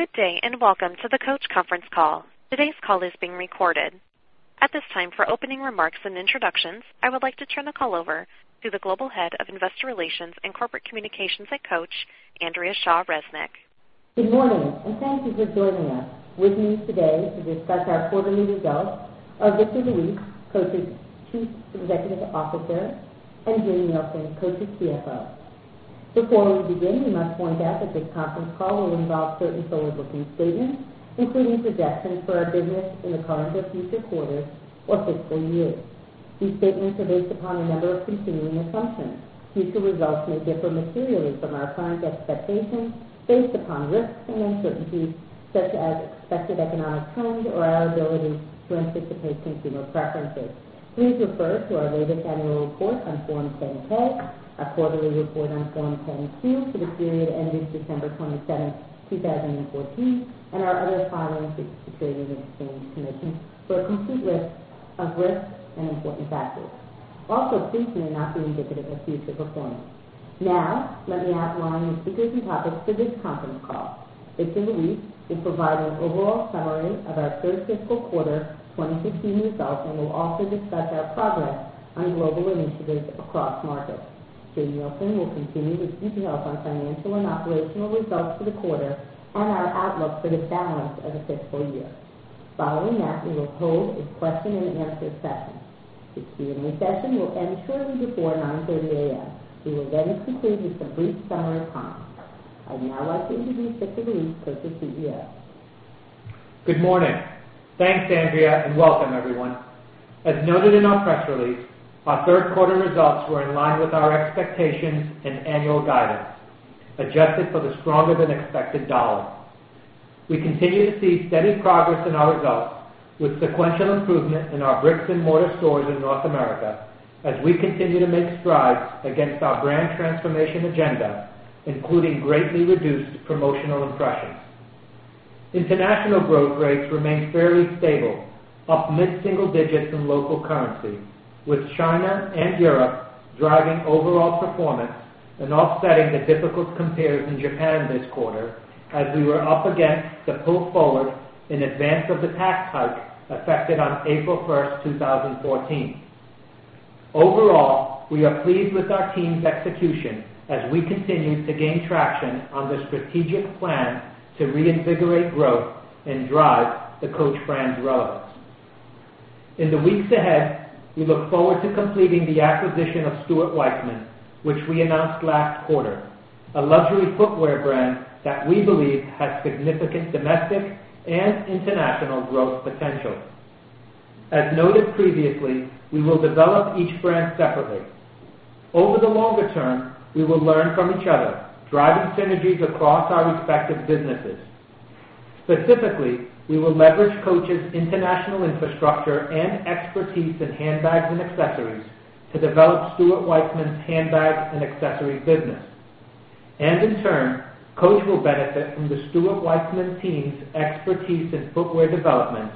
Good day. Welcome to the Coach conference call. Today's call is being recorded. At this time, for opening remarks and introductions, I would like to turn the call over to the Global Head of Investor Relations and Corporate Communications at Coach, Andrea Shaw Resnick. Good morning. Thank you for joining us. With me today to discuss our quarterly results are Victor Luis, Coach's Chief Executive Officer, and Jane Nielsen, Coach's CFO. Before we begin, we must point out that this conference call will involve certain forward-looking statements, including projections for our business in the current or future quarters or fiscal years. These statements are based upon a number of continuing assumptions. Future results may differ materially from our current expectations based upon risks and uncertainties, such as expected economic trends or our ability to anticipate consumer preferences. Please refer to our latest annual report on Form 10-K, our quarterly report on Form 10-Q for the period ending December 27th, 2014, and our other filings with the Securities and Exchange Commission for a complete list of risks and important factors. Also, these may not be indicative of future performance. Now, let me outline the speakers and topics for this conference call. Victor Luis will provide an overall summary of our third fiscal quarter 2015 results and will also discuss our progress on global initiatives across markets. Jane Nielsen will continue with details on financial and operational results for the quarter and our outlook for the balance of the fiscal year. Following that, we will hold a question and answer session. The Q&A session will end shortly before 9:30 A.M. We will conclude with a brief summary of comments. I'd now like to introduce Victor Luis, Coach's CEO. Good morning. Thanks, Andrea. Welcome everyone. As noted in our press release, our third quarter results were in line with our expectations and annual guidance, adjusted for the stronger-than-expected dollar. We continue to see steady progress in our results with sequential improvement in our bricks-and-mortar stores in North America as we continue to make strides against our brand transformation agenda, including greatly reduced promotional impressions. International growth rates remained fairly stable, up mid-single digits in local currency, with China and Europe driving overall performance and offsetting the difficult compares in Japan this quarter as we were up against the pull forward in advance of the tax hike effective on April 1st, 2014. Overall, we are pleased with our team's execution as we continue to gain traction on the strategic plan to reinvigorate growth and drive the Coach brand relevance. In the weeks ahead, we look forward to completing the acquisition of Stuart Weitzman, which we announced last quarter, a luxury footwear brand that we believe has significant domestic and international growth potential. As noted previously, we will develop each brand separately. Over the longer term, we will learn from each other, driving synergies across our respective businesses. Specifically, we will leverage Coach's international infrastructure and expertise in handbags and accessories to develop Stuart Weitzman's handbag and accessory business. In turn, Coach will benefit from the Stuart Weitzman team's expertise in footwear development,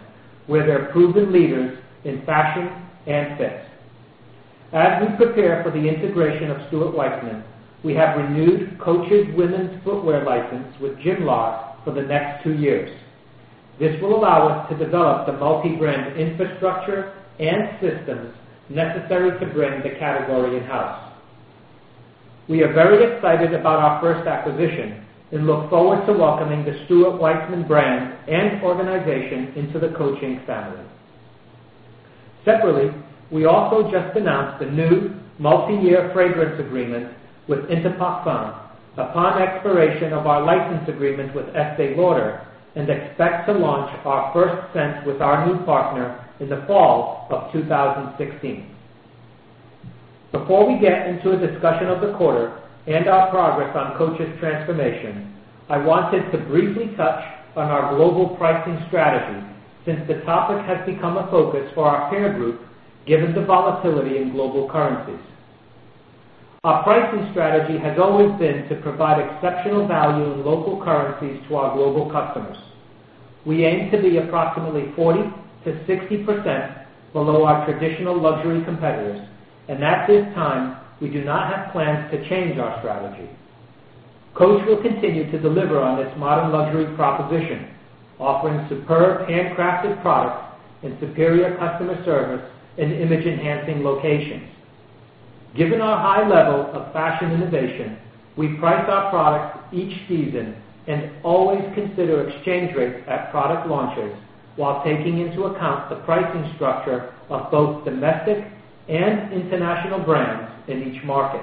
where they are proven leaders in fashion and fit. As we prepare for the integration of Stuart Weitzman, we have renewed Coach's women's footwear license with Jimlar for the next two years. This will allow us to develop the multi-brand infrastructure and systems necessary to bring the category in-house. We are very excited about our first acquisition and look forward to welcoming the Stuart Weitzman brand and organization into the Coach family. Separately, we also just announced a new multi-year fragrance agreement with Interparfums upon expiration of our license agreement with Estée Lauder and expect to launch our first scent with our new partner in the fall of 2016. Before we get into a discussion of the quarter and our progress on Coach's transformation, I wanted to briefly touch on our global pricing strategy since the topic has become a focus for our peer group, given the volatility in global currencies. Our pricing strategy has always been to provide exceptional value in local currencies to our global customers. We aim to be approximately 40%-60% below our traditional luxury competitors, at this time, we do not have plans to change our strategy. Coach will continue to deliver on its modern luxury proposition, offering superb handcrafted products and superior customer service in image-enhancing locations. Given our high level of fashion innovation, we price our products each season and always consider exchange rates at product launches while taking into account the pricing structure of both domestic and international brands in each market.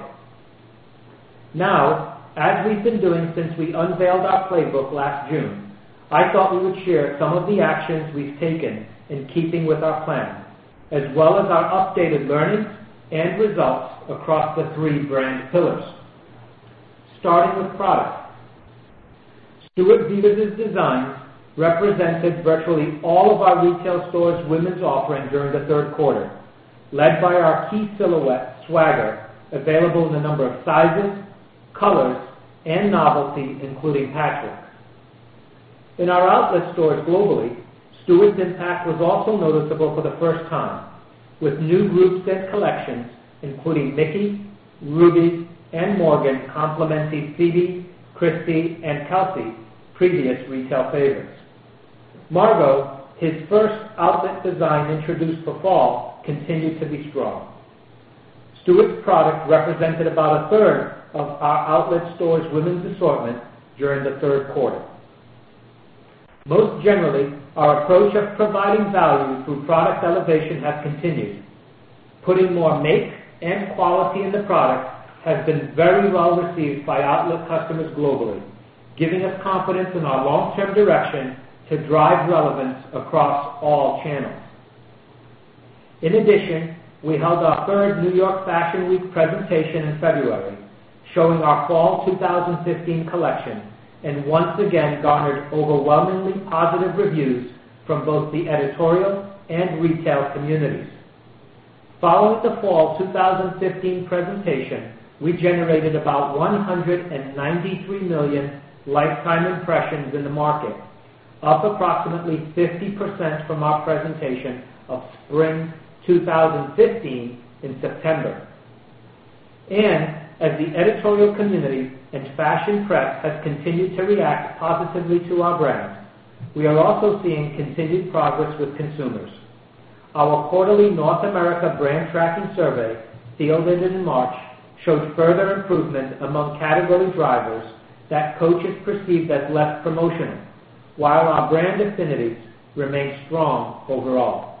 As we've been doing since we unveiled our playbook last June, I thought we would share some of the actions we've taken in keeping with our plan, as well as our updated learnings and results across the three brand pillars. Starting with product. Stuart Vevers' designs represented virtually all of our retail stores' women's offering during the third quarter, led by our key silhouette, Swagger, available in a number of sizes, colors, and novelty, including patchwork. In our outlet stores globally, Stuart's impact was also noticeable for the first time, with new group set collections including Mickey, Ruby, and Morgan complementing Phoebe, Christy, and Kelsey, previous retail favorites. Margot, his first outlet design introduced for fall, continued to be strong. Stuart's product represented about a third of our outlet stores women's assortment during the third quarter. Most generally, our approach of providing value through product elevation has continued. Putting more make and quality in the product has been very well received by outlet customers globally, giving us confidence in our long-term direction to drive relevance across all channels. We held our third New York Fashion Week presentation in February, showing our fall 2015 collection, and once again garnered overwhelmingly positive reviews from both the editorial and retail communities. Following the fall 2015 presentation, we generated about 193 million lifetime impressions in the market, up approximately 50% from our presentation of spring 2015 in September. As the editorial community and fashion press has continued to react positively to our brand, we are also seeing continued progress with consumers. Our quarterly North America brand tracking survey, fielded in March, showed further improvement among category drivers that Coach is perceived as less promotional, while our brand affinities remain strong overall.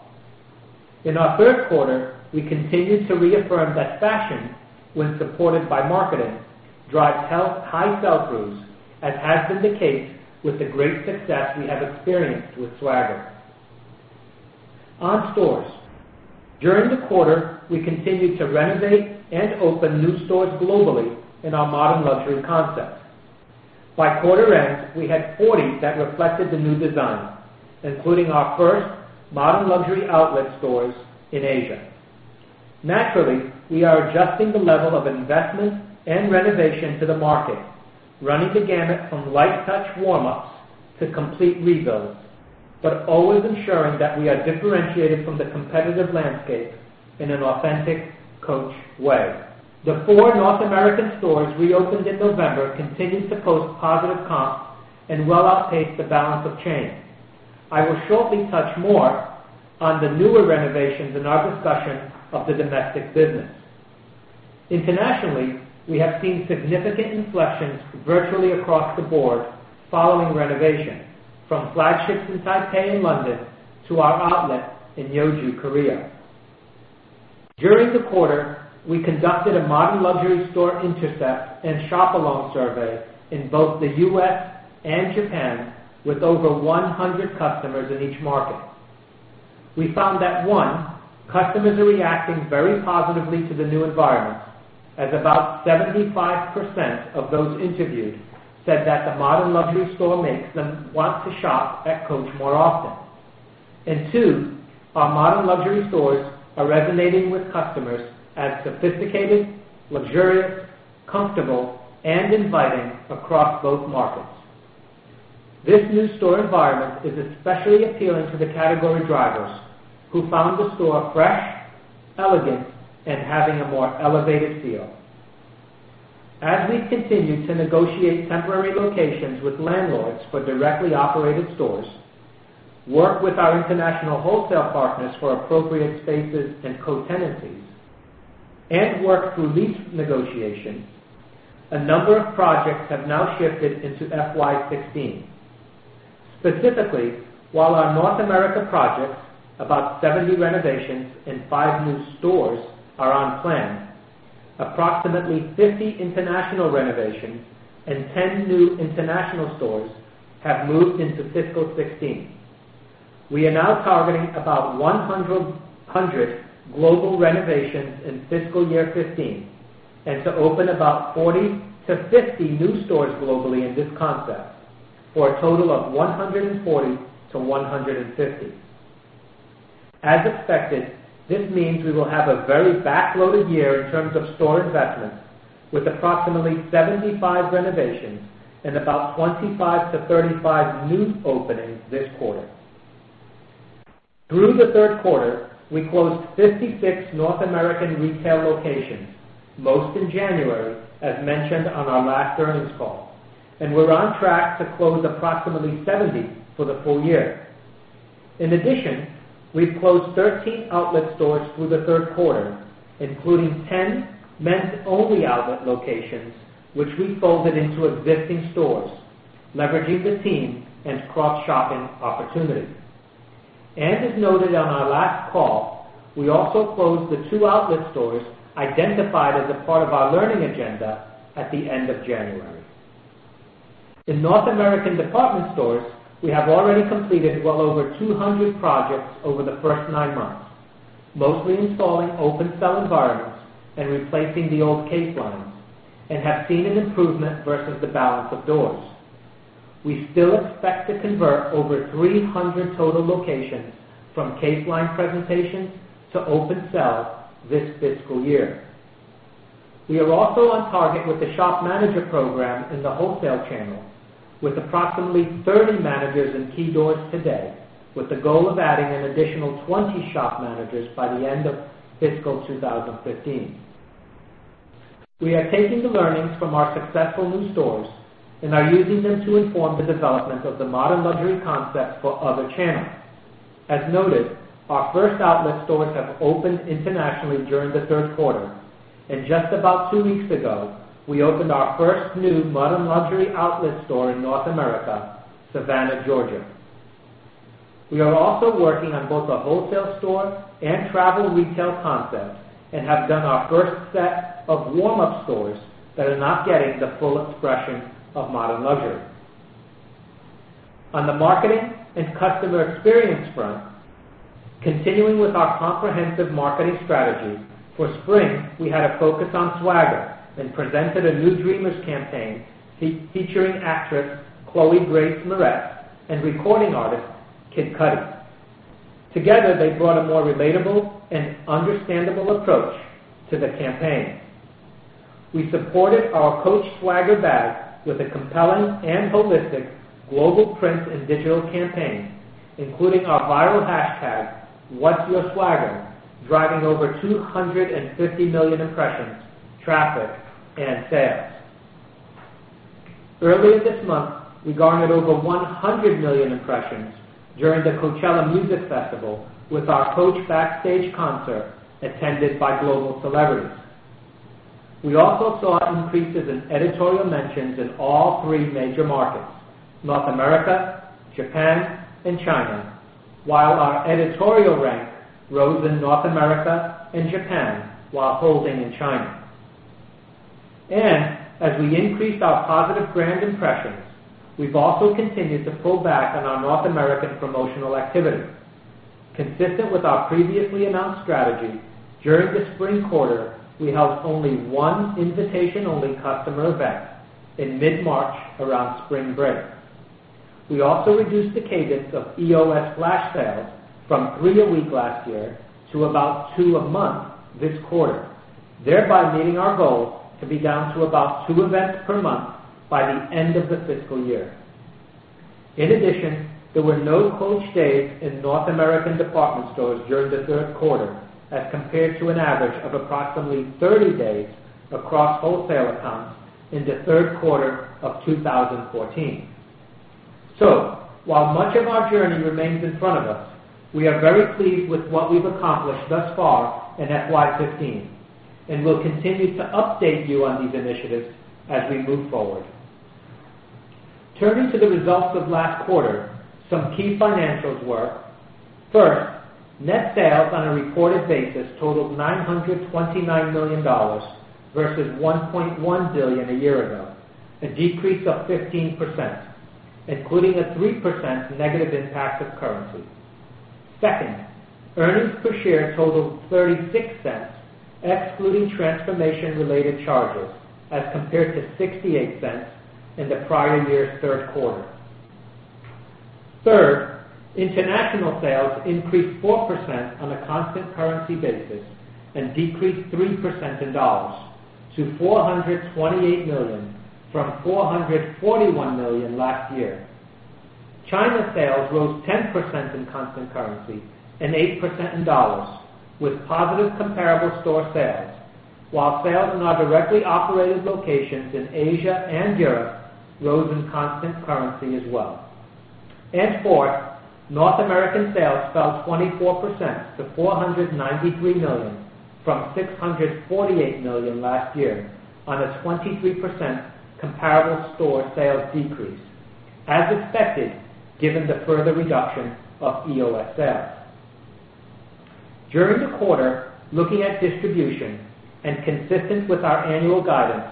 In our third quarter, we continued to reaffirm that fashion, when supported by marketing, drives high sell-throughs, as has been the case with the great success we have experienced with Swagger. On stores, during the quarter, we continued to renovate and open new stores globally in our modern luxury concept. By quarter end, we had 40 that reflected the new design, including our first modern luxury outlet stores in Asia. Naturally, we are adjusting the level of investment and renovation to the market, running the gamut from light touch warm-ups to complete rebuilds, always ensuring that we are differentiated from the competitive landscape in an authentic Coach way. The four North American stores reopened in November continued to post positive comps and well outpaced the balance of chain. I will shortly touch more on the newer renovations in our discussion of the domestic business. Internationally, we have seen significant inflection virtually across the board following renovation, from flagships in Taipei and London to our outlet in Yeoju, Korea. During the quarter, we conducted a modern luxury store intercept and shop-along survey in both the U.S. and Japan with over 100 customers in each market. We found that, one, customers are reacting very positively to the new environment, as about 75% of those interviewed said that the modern luxury store makes them want to shop at Coach more often. Two, our modern luxury stores are resonating with customers as sophisticated, luxurious, comfortable, and inviting across both markets. This new store environment is especially appealing to the category drivers, who found the store fresh, elegant, and having a more elevated feel. As we continue to negotiate temporary locations with landlords for directly operated stores, work with our international wholesale partners for appropriate spaces and co-tenancies, and work through lease negotiations, a number of projects have now shifted into FY 2016. Specifically, while our North America projects, about 70 renovations and five new stores, are on plan, approximately 50 international renovations and 10 new international stores have moved into fiscal 2016. We are now targeting about 100 global renovations in fiscal year 2015, and to open about 40-50 new stores globally in this concept, for a total of 140-150. As expected, this means we will have a very back-loaded year in terms of store investments, with approximately 75 renovations and about 25-35 new openings this quarter. Through the third quarter, we closed 56 North American retail locations, most in January, as mentioned on our last earnings call, and we're on track to close approximately 70 for the full year. In addition, we've closed 13 outlet stores through the third quarter, including 10 men's-only outlet locations, which we folded into existing stores, leveraging the team and cross-shopping opportunities. As noted on our last call, we also closed the two outlet stores identified as a part of our learning agenda at the end of January. In North American department stores, we have already completed well over 200 projects over the first nine months, mostly installing open sell environments and replacing the old case lines, and have seen an improvement versus the balance of doors. We still expect to convert over 300 total locations from case line presentations to open sell this fiscal year. We are also on target with the shop manager program in the wholesale channel with approximately 30 managers in key doors today, with the goal of adding an additional 20 shop managers by the end of fiscal 2015. We are taking the learnings from our successful new stores and are using them to inform the development of the modern luxury concept for other channels. As noted, our first outlet stores have opened internationally during the third quarter, and just about 2 weeks ago, we opened our first new modern luxury outlet store in North America, Savannah, Georgia. We are also working on both a wholesale store and travel retail concept and have done our first set of warm-up stores that are now getting the full expression of modern luxury. On the marketing and customer experience front, continuing with our comprehensive marketing strategy, for spring, we had a focus on swagger and presented a new Dreamers campaign featuring actress Chloë Grace Moretz and recording artist Kid Cudi. Together, they brought a more relatable and understandable approach to the campaign. We supported our Coach Swagger bag with a compelling and holistic global print and digital campaign, including our viral hashtag, #WhatsYourSwagger, driving over 250 million impressions, traffic, and sales. Earlier this month, we garnered over 100 million impressions during the Coachella Music Festival with our Coach backstage concert attended by global celebrities. We also saw increases in editorial mentions in all 3 major markets, North America, Japan, and China, while our editorial rank rose in North America and Japan while holding in China. As we increased our positive brand impressions, we've also continued to pull back on our North American promotional activity. Consistent with our previously announced strategy, during the spring quarter, we held only one invitation-only customer event in mid-March around spring break. We also reduced the cadence of EOS flash sales from 3 a week last year to about 2 a month this quarter, thereby meeting our goal to be down to about 2 events per month by the end of the fiscal year. In addition, there were no Coach days in North American department stores during the third quarter as compared to an average of approximately 30 days across wholesale accounts in the third quarter of 2014. While much of our journey remains in front of us, we are very pleased with what we've accomplished thus far in FY 2015, and we'll continue to update you on these initiatives as we move forward. Turning to the results of last quarter, some key financials were, first, net sales on a reported basis totaled $929 million versus $1.1 billion a year ago, a decrease of 15%, including a 3% negative impact of currency. Second, earnings per share totaled $0.36, excluding transformation-related charges, as compared to $0.68 in the prior year's third quarter. Third, international sales increased 4% on a constant currency basis and decreased 3% in $428 million from $441 million last year. China sales rose 10% in constant currency and 8% in dollars with positive comparable store sales, while sales in our directly operated locations in Asia and Europe rose in constant currency as well. Fourth, North American sales fell 24% to $493 million from $648 million last year on a 23% comparable store sales decrease, as expected, given the further reduction of EOS sales. During the quarter, looking at distribution and consistent with our annual guidance,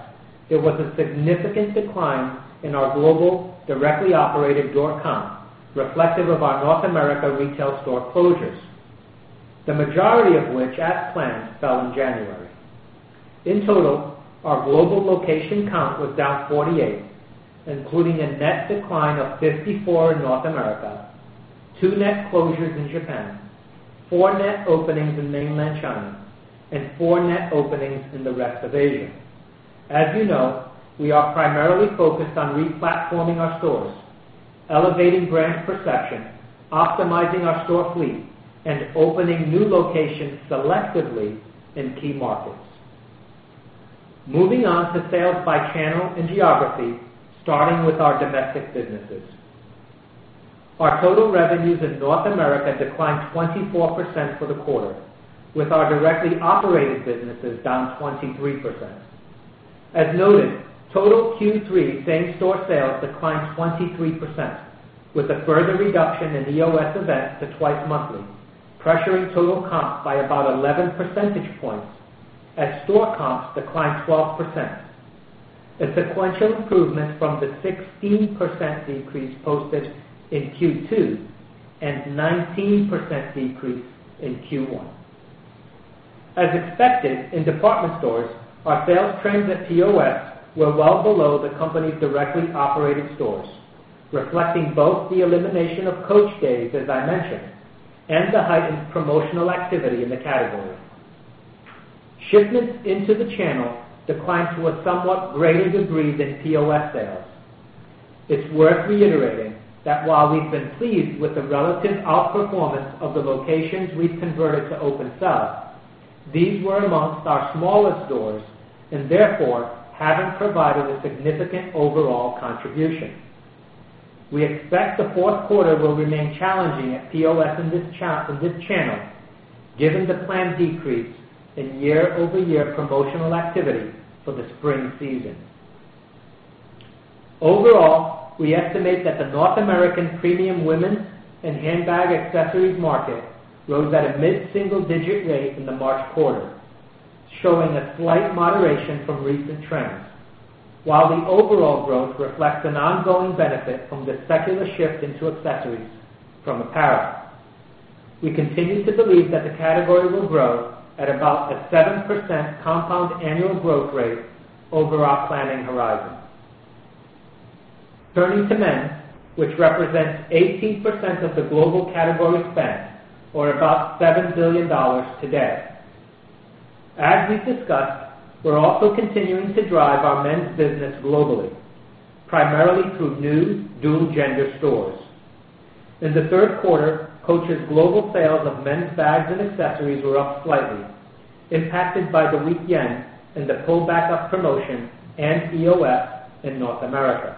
there was a significant decline in our global directly operated door count reflective of our North America retail store closures. The majority of which, as planned, fell in January. In total, our global location count was down 48, including a net decline of 54 in North America, two net closures in Japan, four net openings in mainland China, and four net openings in the rest of Asia. As you know, we are primarily focused on re-platforming our stores, elevating brand perception, optimizing our store fleet, and opening new locations selectively in key markets. Moving on to sales by channel and geography, starting with our domestic businesses. Our total revenues in North America declined 24% for the quarter, with our directly operated businesses down 23%. As noted, total Q3 same-store sales declined 23%, with a further reduction in EOS events to twice monthly, pressuring total comp by about 11 percentage points as store comps declined 12%. A sequential improvement from the 16% decrease posted in Q2 and 19% decrease in Q1. As expected, in department stores, our sales trends at POS were well below the company's directly operated stores, reflecting both the elimination of Coach days, as I mentioned. The heightened promotional activity in the category. Shipments into the channel declined to a somewhat greater degree than POS sales. It's worth reiterating that while we've been pleased with the relative outperformance of the locations we've converted to open sell, these were amongst our smallest stores and therefore haven't provided a significant overall contribution. We expect the fourth quarter will remain challenging at POS in this channel, given the planned decrease in year-over-year promotional activity for the spring season. Overall, we estimate that the North American premium women's and handbag accessories market rose at a mid-single-digit rate in the March quarter, showing a slight moderation from recent trends. The overall growth reflects an ongoing benefit from the secular shift into accessories from apparel. We continue to believe that the category will grow at about a 7% compound annual growth rate over our planning horizon. Turning to men's, which represents 18% of the global category spend or about $7 billion today. As we've discussed, we're also continuing to drive our men's business globally, primarily through new dual-gender stores. In the third quarter, Coach's global sales of men's bags and accessories were up slightly, impacted by the weak yen and the pullback of promotion and EOS in North America.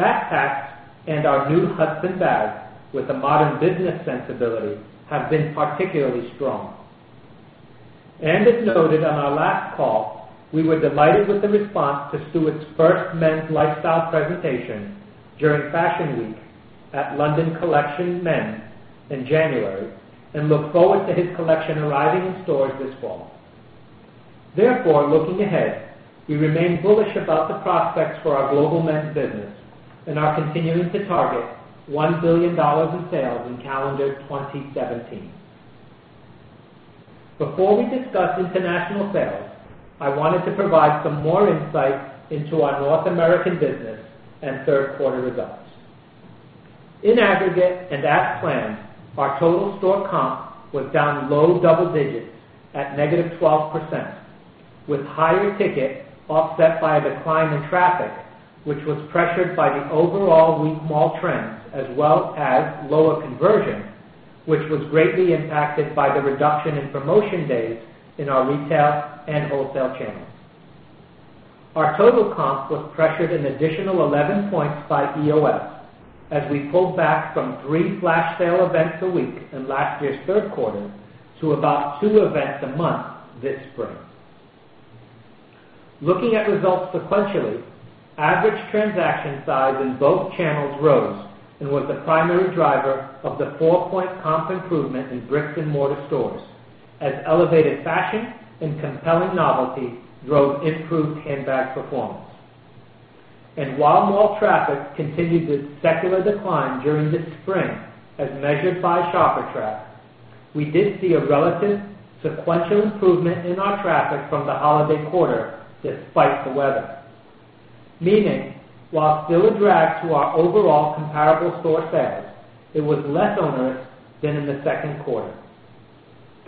Backpacks and our new Hudson bags with a modern business sensibility have been particularly strong. As noted on our last call, we were delighted with the response to Stuart's first men's lifestyle presentation during Fashion Week at London Collections: Men in January and look forward to his collection arriving in stores this fall. Looking ahead, we remain bullish about the prospects for our global men's business and are continuing to target $1 billion in sales in calendar 2017. Before we discuss international sales, I wanted to provide some more insight into our North American business and third-quarter results. In aggregate and as planned, our total store comp was down low double digits at -12%, with higher ticket offset by a decline in traffic, which was pressured by the overall weak mall trends as well as lower conversion, which was greatly impacted by the reduction in promotion days in our retail and wholesale channels. Our total comp was pressured an additional 11 points by EOS as we pulled back from three flash sale events a week in last year's third quarter to about two events a month this spring. Looking at results sequentially, average transaction size in both channels rose and was the primary driver of the four-point comp improvement in bricks and mortar stores as elevated fashion and compelling novelty drove improved handbag performance. While mall traffic continued to secular decline during this spring as measured by ShopperTrak, we did see a relative sequential improvement in our traffic from the holiday quarter despite the weather. Meaning, while still a drag to our overall comparable store sales, it was less onerous than in the second quarter.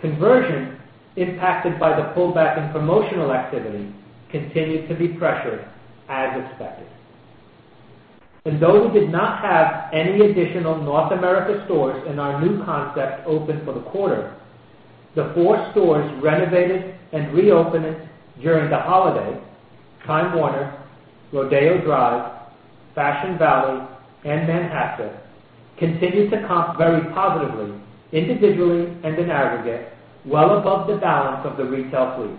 Conversion impacted by the pullback in promotional activity continued to be pressured as expected. Though we did not have any additional North America stores in our new concept open for the quarter, the four stores renovated and reopened during the holiday, Time Warner, Rodeo Drive, Fashion Valley, and Manhattan, continued to comp very positively individually and in aggregate, well above the balance of the retail fleet.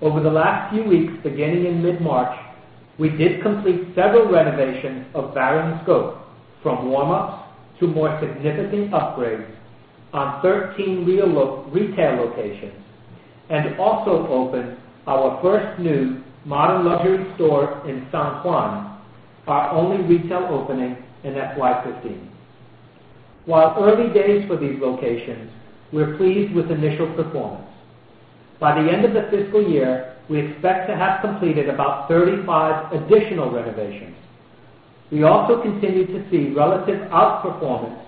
Over the last few weeks beginning in mid-March, we did complete several renovations of varying scope, from warm-ups to more significant upgrades on 13 retail locations, and also opened our first new modern luxury store in San Juan, our only retail opening in FY 2015. While early days for these locations, we're pleased with initial performance. By the end of the fiscal year, we expect to have completed about 35 additional renovations. We also continue to see relative outperformance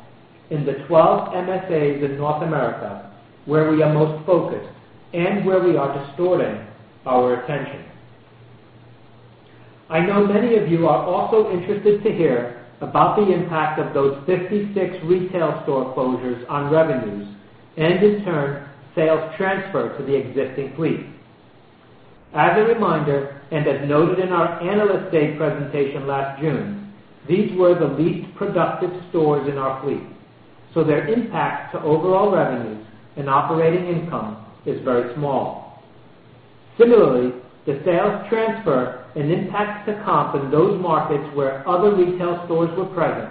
in the 12 MSAs in North America, where we are most focused and where we are distorting our attention. I know many of you are also interested to hear about the impact of those 56 retail store closures on revenues and in turn, sales transfer to the existing fleet. As a reminder, and as noted in our Analyst Day presentation last June, these were the least productive stores in our fleet, so their impact to overall revenues and operating income is very small. Similarly, the sales transfer and impact to comp in those markets where other retail stores were present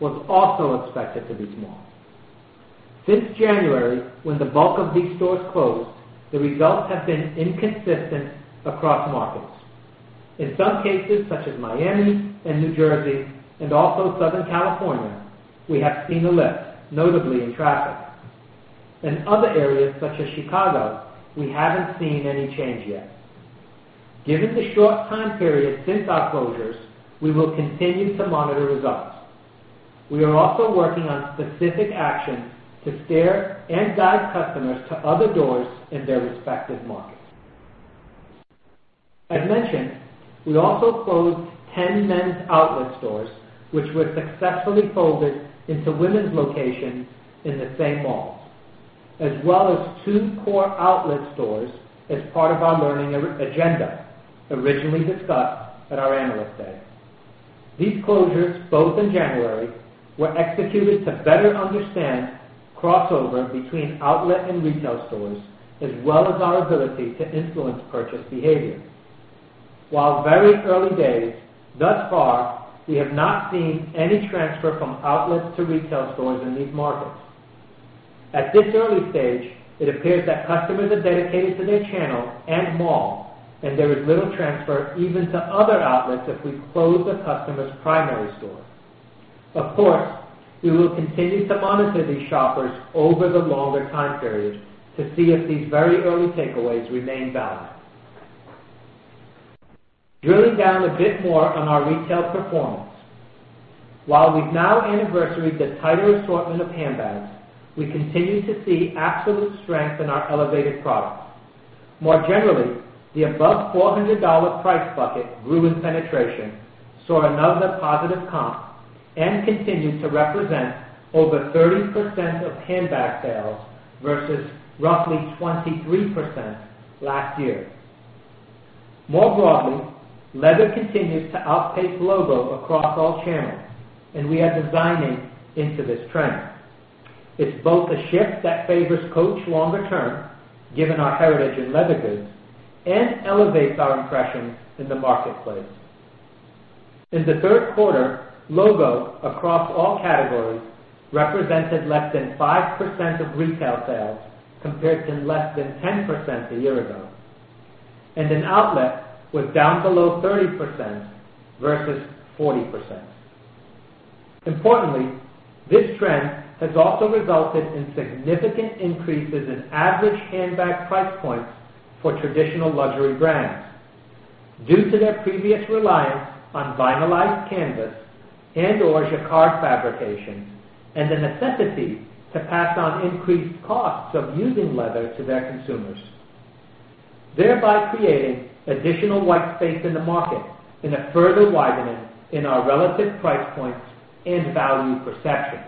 was also expected to be small. Since January, when the bulk of these stores closed, the results have been inconsistent across markets. In some cases, such as Miami and New Jersey, and also Southern California, we have seen a lift, notably in traffic. In other areas, such as Chicago, we haven't seen any change yet. Given the short time period since our closures, we will continue to monitor results. We are also working on specific actions to steer and guide customers to other doors in their respective markets. As mentioned, we also closed 10 men's outlet stores, which were successfully folded into women's locations in the same malls, as well as two core outlet stores as part of our learning agenda originally discussed at our Analyst Day. These closures, both in January, were executed to better understand crossover between outlet and retail stores, as well as our ability to influence purchase behavior. While very early days, thus far, we have not seen any transfer from outlet to retail stores in these markets. At this early stage, it appears that customers are dedicated to their channel and mall, and there is little transfer even to other outlets if we close a customer's primary store. Of course, we will continue to monitor these shoppers over the longer time period to see if these very early takeaways remain valid. Drilling down a bit more on our retail performance. While we've now anniversaried the tighter assortment of handbags, we continue to see absolute strength in our elevated products. More generally, the above $400 price bucket grew in penetration, saw another positive comp, and continued to represent over 30% of handbag sales versus roughly 23% last year. More broadly, leather continues to outpace logo across all channels, and we are designing into this trend. It's both a shift that favors Coach longer term, given our heritage in leather goods, and elevates our impression in the marketplace. In the third quarter, logo across all categories represented less than 5% of retail sales compared to less than 10% a year ago, and in outlet was down below 30% versus 40%. Importantly, this trend has also resulted in significant increases in average handbag price points for traditional luxury brands due to their previous reliance on vinylized canvas and/or jacquard fabrications, and the necessity to pass on increased costs of using leather to their consumers, thereby creating additional white space in the market and a further widening in our relative price points and value perception.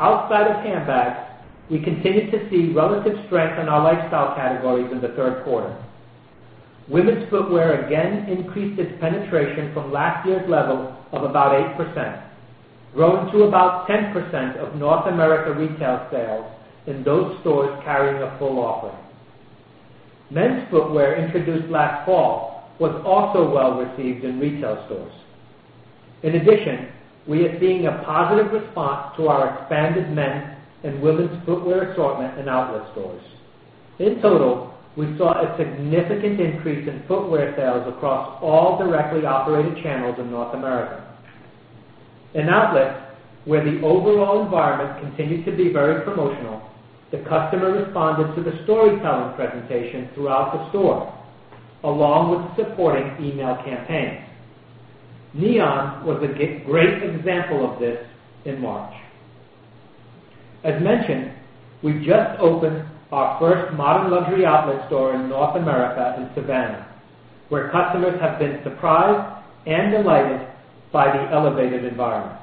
Outside of handbags, we continued to see relative strength in our lifestyle categories in the third quarter. Women's footwear again increased its penetration from last year's level of about 8%, growing to about 10% of North America retail sales in those stores carrying a full offering. Men's footwear introduced last fall was also well-received in retail stores. In addition, we are seeing a positive response to our expanded men and women's footwear assortment in outlet stores. In total, we saw a significant increase in footwear sales across all directly operated channels in North America. In outlet, where the overall environment continued to be very promotional, the customer responded to the storytelling presentation throughout the store, along with supporting email campaigns. Neon was a great example of this in March. As mentioned, we just opened our first modern luxury outlet store in North America in Savannah, where customers have been surprised and delighted by the elevated environment.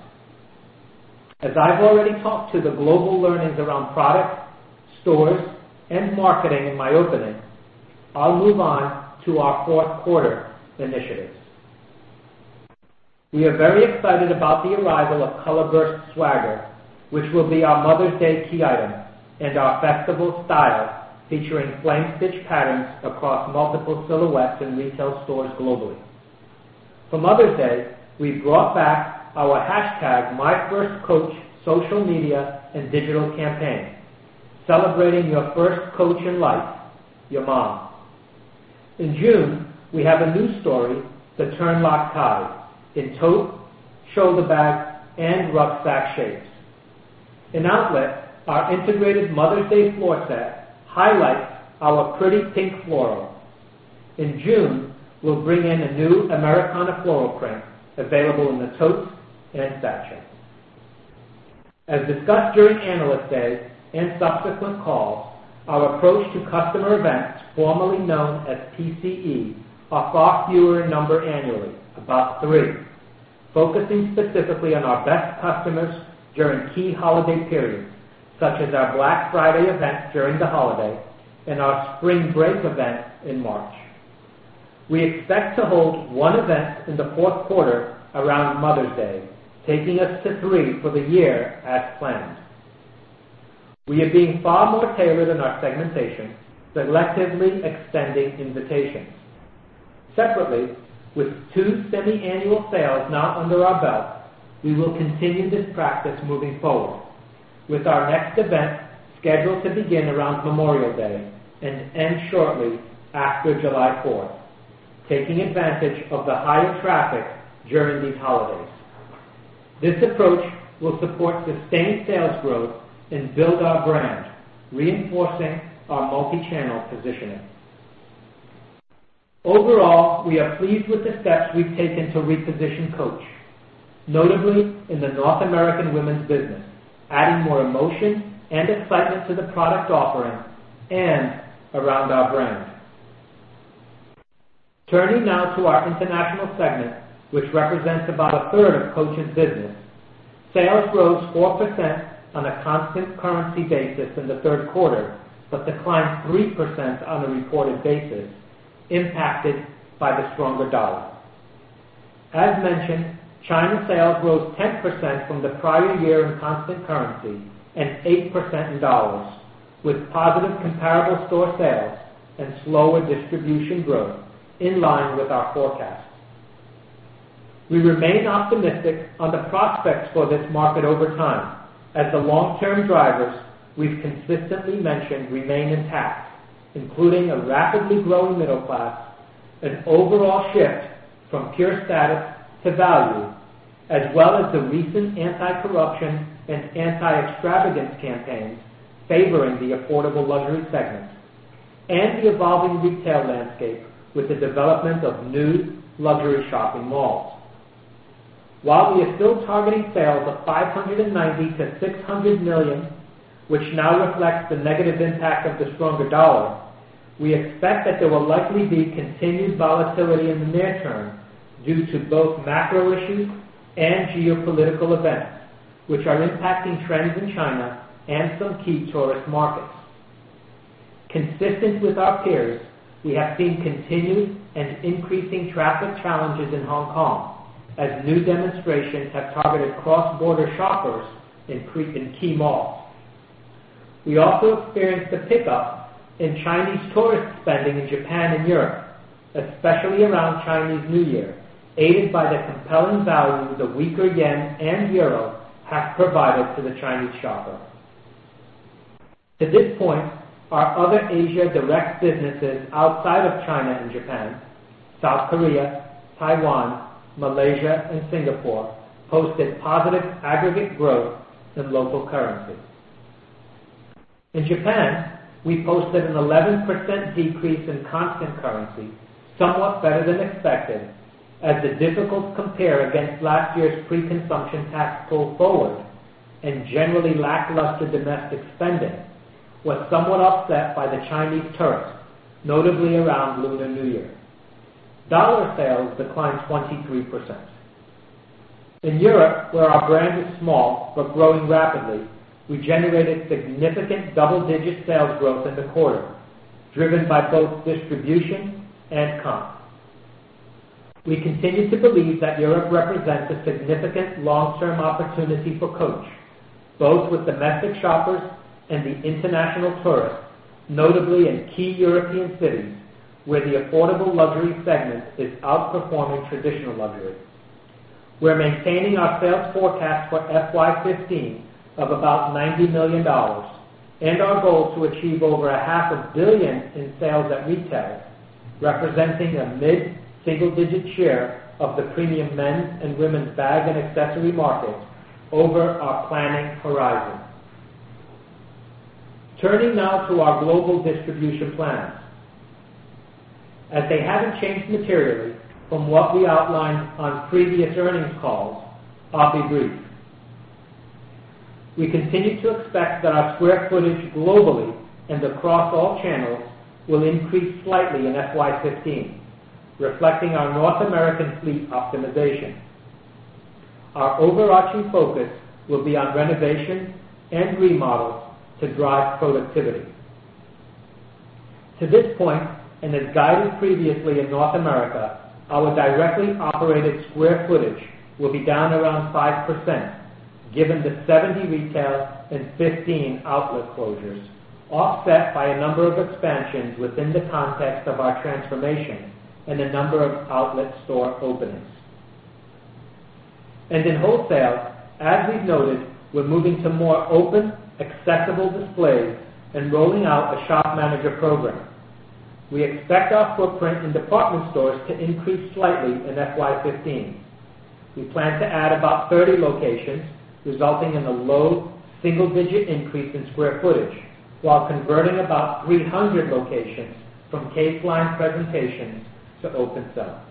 As I've already talked to the global learnings around product, stores, and marketing in my opening, I'll move on to our fourth quarter initiatives. We are very excited about the arrival of Colorblock Swagger, which will be our Mother's Day key item, and our Festival style, featuring flame stitch patterns across multiple silhouettes in retail stores globally. For Mother's Day, we've brought back our #MyFirstCoach social media and digital campaign, celebrating your first Coach in life, your mom. In June, we have a new story, the Turnlock Tote, in tote, shoulder bag, and rucksack shapes. In outlet, our integrated Mother's Day floor set highlights our pretty pink floral. In June, we'll bring in a new Americana floral print available in the tote and satchel. As discussed during Analyst Day and subsequent calls, our approach to customer events, formerly known as PCE, are far fewer in number annually, about 3, focusing specifically on our best customers during key holiday periods, such as our Black Friday event during the holiday and our Spring Break event in March. We expect to hold 1 event in the fourth quarter around Mother's Day, taking us to 3 for the year as planned. We are being far more tailored in our segmentation, selectively extending invitations. Separately, with 2 semi-annual sales now under our belt, we will continue this practice moving forward with our next event scheduled to begin around Memorial Day and end shortly after July 4th, taking advantage of the higher traffic during these holidays. This approach will support sustained sales growth and build our brand, reinforcing our multi-channel positioning. Overall, we are pleased with the steps we've taken to reposition Coach, notably in the North American women's business, adding more emotion and excitement to the product offering and around our brand. Turning now to our international segment, which represents about a third of Coach's business. Sales rose 4% on a constant currency basis in the third quarter, but declined 3% on a reported basis, impacted by the stronger dollar. As mentioned, China sales rose 10% from the prior year in constant currency and 8% in dollars, with positive comparable store sales and slower distribution growth in line with our forecast. We remain optimistic on the prospects for this market over time as the long-term drivers we've consistently mentioned remain intact, including a rapidly growing middle class, an overall shift from pure status to value, as well as the recent anti-corruption and anti-extravagance campaigns favoring the affordable luxury segment, and the evolving retail landscape with the development of new luxury shopping malls. While we are still targeting sales of $590 million-$600 million, which now reflects the negative impact of the stronger dollar, we expect that there will likely be continued volatility in the near term due to both macro issues and geopolitical events, which are impacting trends in China and some key tourist markets. Consistent with our peers, we have seen continued and increasing traffic challenges in Hong Kong as new demonstrations have targeted cross-border shoppers in key malls. We also experienced a pickup in Chinese tourist spending in Japan and Europe, especially around Chinese New Year, aided by the compelling value the weaker yen and euro have provided to the Chinese shopper. To this point, our other Asia direct businesses outside of China and Japan, South Korea, Taiwan, Malaysia, and Singapore, posted positive aggregate growth in local currencies. In Japan, we posted an 11% decrease in constant currency, somewhat better than expected as the difficult compare against last year's pre-consumption tax pull forward and generally lackluster domestic spending was somewhat offset by the Chinese tourist, notably around Lunar New Year. Dollar sales declined 23%. In Europe, where our brand is small but growing rapidly, we generated significant double-digit sales growth in the quarter, driven by both distribution and comp. We continue to believe that Europe represents a significant long-term opportunity for Coach, both with domestic shoppers and the international tourist, notably in key European cities where the affordable luxury segment is outperforming traditional luxury. We're maintaining our sales forecast for FY 2015 of about $90 million and our goal to achieve over a half a billion in sales at retail, representing a mid-single-digit share of the premium men's and women's bag and accessory market over our planning horizon. Turning now to our global distribution plans. They haven't changed materially from what we outlined on previous earnings calls, I'll be brief. We continue to expect that our square footage globally and across all channels will increase slightly in FY 2015, reflecting our North American fleet optimization. Our overarching focus will be on renovation and remodels to drive productivity. To this point, as guided previously in North America, our directly operated square footage will be down around 5%, given the 70 retail and 15 outlet closures, offset by a number of expansions within the context of our transformation and a number of outlet store openings. In wholesale, as we've noted, we're moving to more open, accessible displays and rolling out a shop manager program. We expect our footprint in department stores to increase slightly in FY 2015. We plan to add about 30 locations, resulting in a low single-digit increase in square footage while converting about 300 locations from case-line presentations to open sell.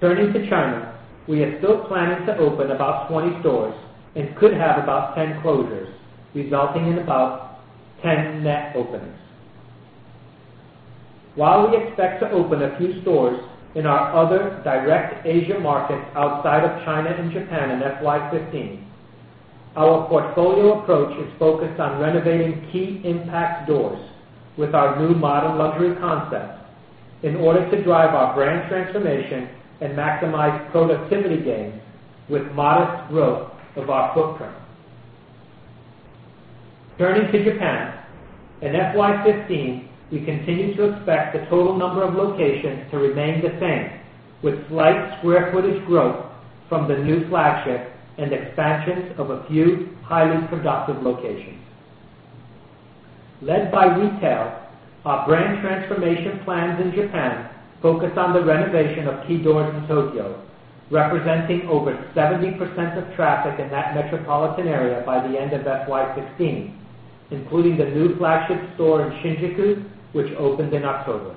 Turning to China, we are still planning to open about 20 stores and could have about 10 closures, resulting in about 10 net openings. While we expect to open a few stores in our other direct Asia markets outside of China and Japan in FY 2015, our portfolio approach is focused on renovating key impact stores with our new modern luxury concept in order to drive our brand transformation and maximize productivity gains with modest growth of our footprint. Turning to Japan. In FY 2015, we continue to expect the total number of locations to remain the same, with slight square footage growth from the new flagship and expansions of a few highly productive locations. Led by retail, our brand transformation plans in Japan focus on the renovation of key doors in Tokyo, representing over 70% of traffic in that metropolitan area by the end of FY 2016, including the new flagship store in Shinjuku, which opened in October.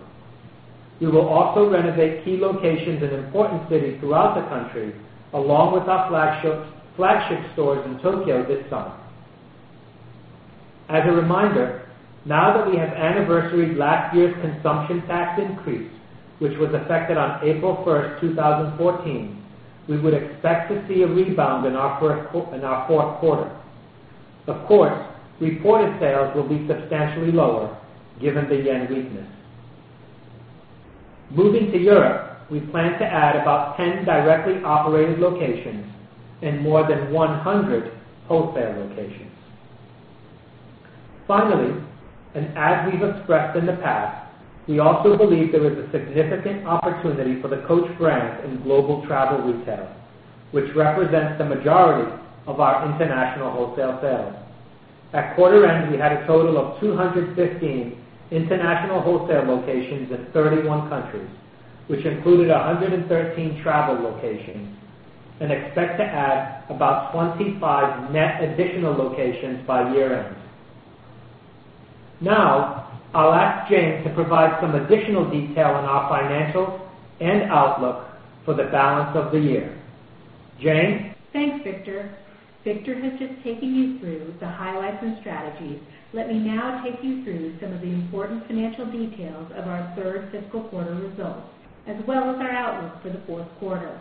We will also renovate key locations in important cities throughout the country, along with our flagship stores in Tokyo this summer. As a reminder, now that we have anniversaried last year's consumption tax increase, which was affected on April 1st, 2014, we would expect to see a rebound in our fourth quarter. Of course, reported sales will be substantially lower given the yen weakness. Moving to Europe, we plan to add about 10 directly operated locations and more than 100 wholesale locations. Finally, as we've expressed in the past, we also believe there is a significant opportunity for the Coach brand in global travel retail, which represents the majority of our international wholesale sales. At quarter end, we had a total of 215 international wholesale locations in 31 countries, which included 113 travel locations, and expect to add about 25 net additional locations by year-end. Now, I'll ask Jane to provide some additional detail on our financials and outlook for the balance of the year. Jane? Thanks, Victor. Victor has just taken you through the highlights and strategies. Let me now take you through some of the important financial details of our third fiscal quarter results, as well as our outlook for the fourth quarter.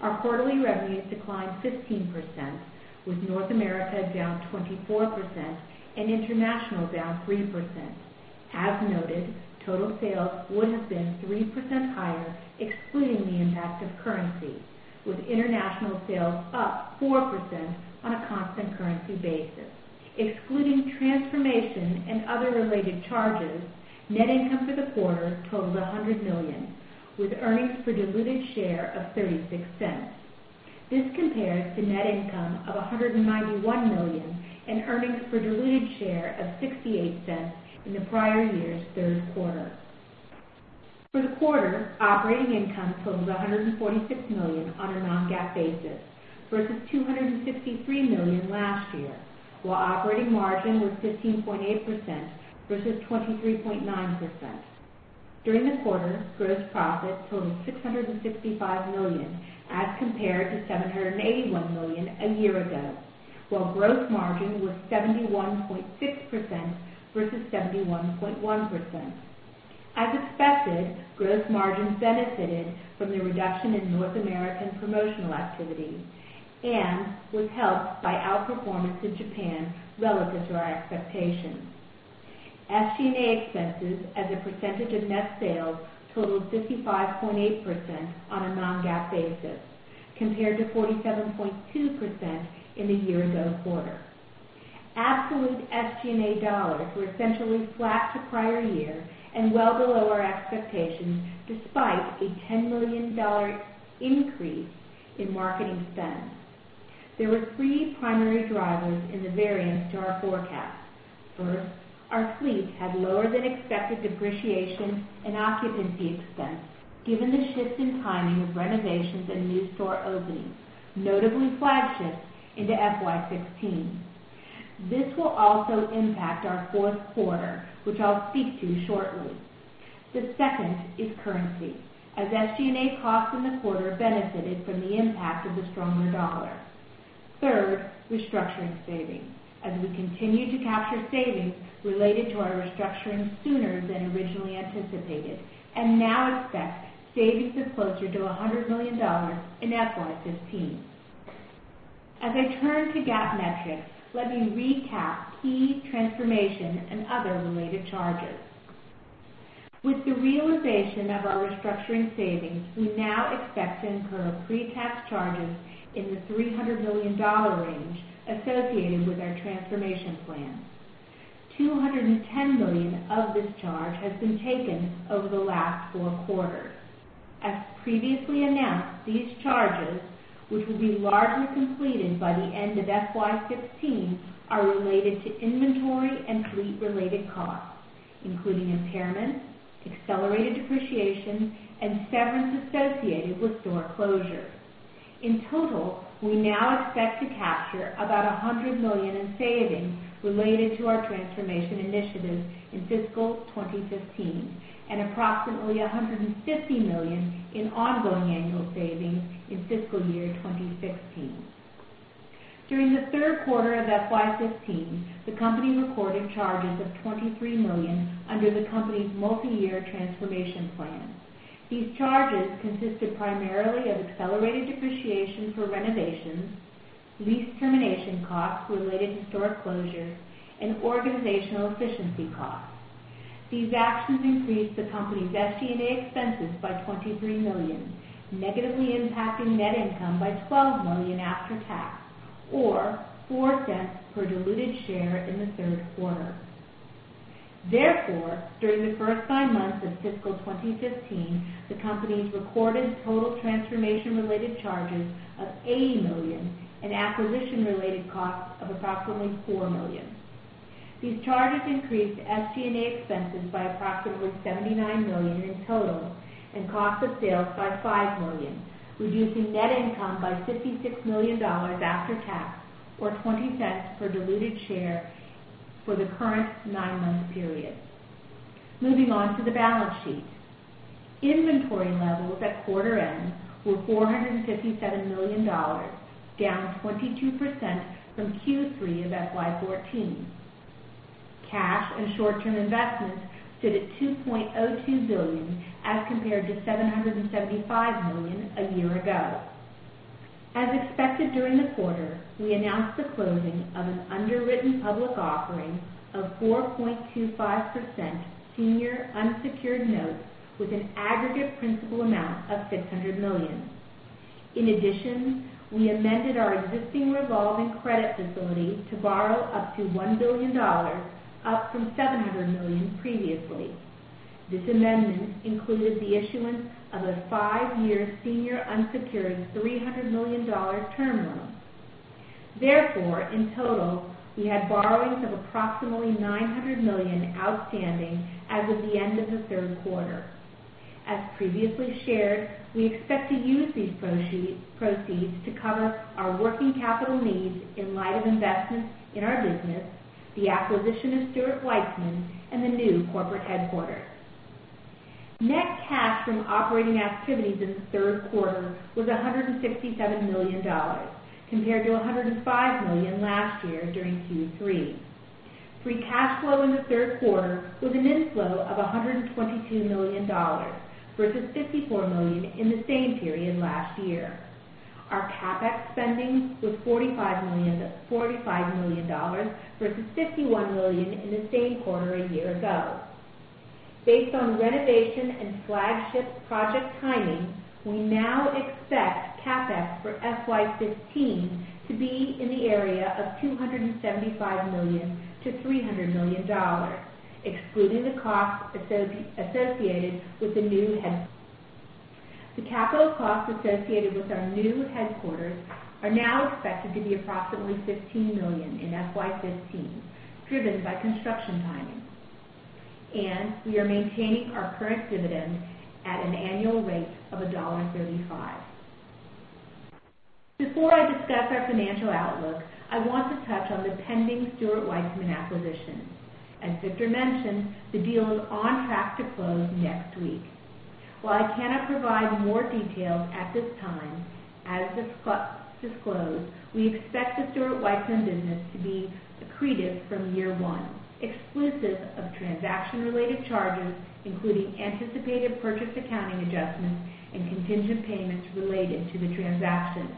Our quarterly revenues declined 15%, with North America down 24% and international down 3%. As noted, total sales would have been 3% higher, excluding the impact of currency, with international sales up 4% on a constant currency basis. Excluding transformation and other related charges, net income for the quarter totaled $100 million, with earnings per diluted share of $0.36. This compares to net income of $191 million and earnings per diluted share of $0.68 in the prior year's third quarter. For the quarter, operating income totals $146 million on a non-GAAP basis versus $263 million last year, while operating margin was 15.8% versus 23.9%. During the quarter, gross profit totaled $665 million as compared to $781 million a year ago, while gross margin was 71.6% versus 71.1%. As expected, gross margin benefited from the reduction in North American promotional activity and was helped by outperformance in Japan relative to our expectations. SG&A expenses as a percentage of net sales totaled 55.8% on a non-GAAP basis, compared to 47.2% in the year-ago quarter. Absolute SG&A dollars were essentially flat to prior year and well below our expectations, despite a $10 million increase in marketing spend. There were three primary drivers in the variance to our forecast. First, our fleet had lower-than-expected depreciation and occupancy expense given the shift in timing of renovations and new store openings, notably flagships, into FY 2016. This will also impact our fourth quarter, which I'll speak to shortly. The second is currency, as SG&A costs in the quarter benefited from the impact of the stronger dollar. Third, restructuring savings, as we continue to capture savings related to our restructuring sooner than originally anticipated and now expect savings of closer to $100 million in FY 2015. As I turn to GAAP metrics, let me recap key transformation and other related charges. With the realization of our restructuring savings, we now expect to incur pre-tax charges in the $300 million range associated with our transformation plans. $210 million of this charge has been taken over the last four quarters. As previously announced, these charges, which will be largely completed by the end of FY 2016, are related to inventory and fleet-related costs, including impairment, accelerated depreciation, and severance associated with store closures. In total, we now expect to capture about $100 million in savings related to our transformation initiatives in fiscal 2015 and approximately $150 million in ongoing annual savings in fiscal year 2016. During the third quarter of FY 2015, the company recorded charges of $23 million under the company's multi-year transformation plan. These charges consisted primarily of accelerated depreciation for renovations, lease termination costs related to store closures, and organizational efficiency costs. These actions increased the company's SG&A expenses by $23 million, negatively impacting net income by $12 million after tax or $0.04 per diluted share in the third quarter. During the first nine months of fiscal 2015, the company's recorded total transformation-related charges of $80 million and acquisition-related costs of approximately $4 million. These charges increased SG&A expenses by approximately $79 million in total and cost of sales by $5 million, reducing net income by $56 million after tax, or $0.20 for diluted share for the current nine-month period. Moving on to the balance sheet. Inventory levels at quarter end were $457 million, down 22% from Q3 of FY 2014. Cash and short-term investments stood at $2.02 billion as compared to $775 million a year ago. As expected during the quarter, we announced the closing of an underwritten public offering of 4.25% senior unsecured notes with an aggregate principal amount of $600 million. In addition, we amended our existing revolving credit facility to borrow up to $1 billion, up from $700 million previously. This amendment included the issuance of a five-year senior unsecured $300 million term loan. In total, we had borrowings of approximately $900 million outstanding as of the end of the third quarter. As previously shared, we expect to use these proceeds to cover our working capital needs in light of investments in our business, the acquisition of Stuart Weitzman, and the new corporate headquarters. Net cash from operating activities in the third quarter was $167 million, compared to $105 million last year during Q3. Free cash flow in the third quarter was an inflow of $122 million, versus $54 million in the same period last year. Our CapEx spending was $45 million versus $51 million in the same quarter a year ago. Based on renovation and flagship project timing, we now expect CapEx for FY 2015 to be in the area of $275 million-$300 million, excluding the costs associated with the new headquarters. The capital costs associated with our new headquarters are now expected to be approximately $15 million in FY 2015, driven by construction timing. We are maintaining our current dividend at an annual rate of $1.35. Before I discuss our financial outlook, I want to touch on the pending Stuart Weitzman acquisition. As Victor mentioned, the deal is on track to close next week. While I cannot provide more details at this time, as disclosed, we expect the Stuart Weitzman business to be accretive from year one, exclusive of transaction-related charges, including anticipated purchase accounting adjustments and contingent payments related to the transaction.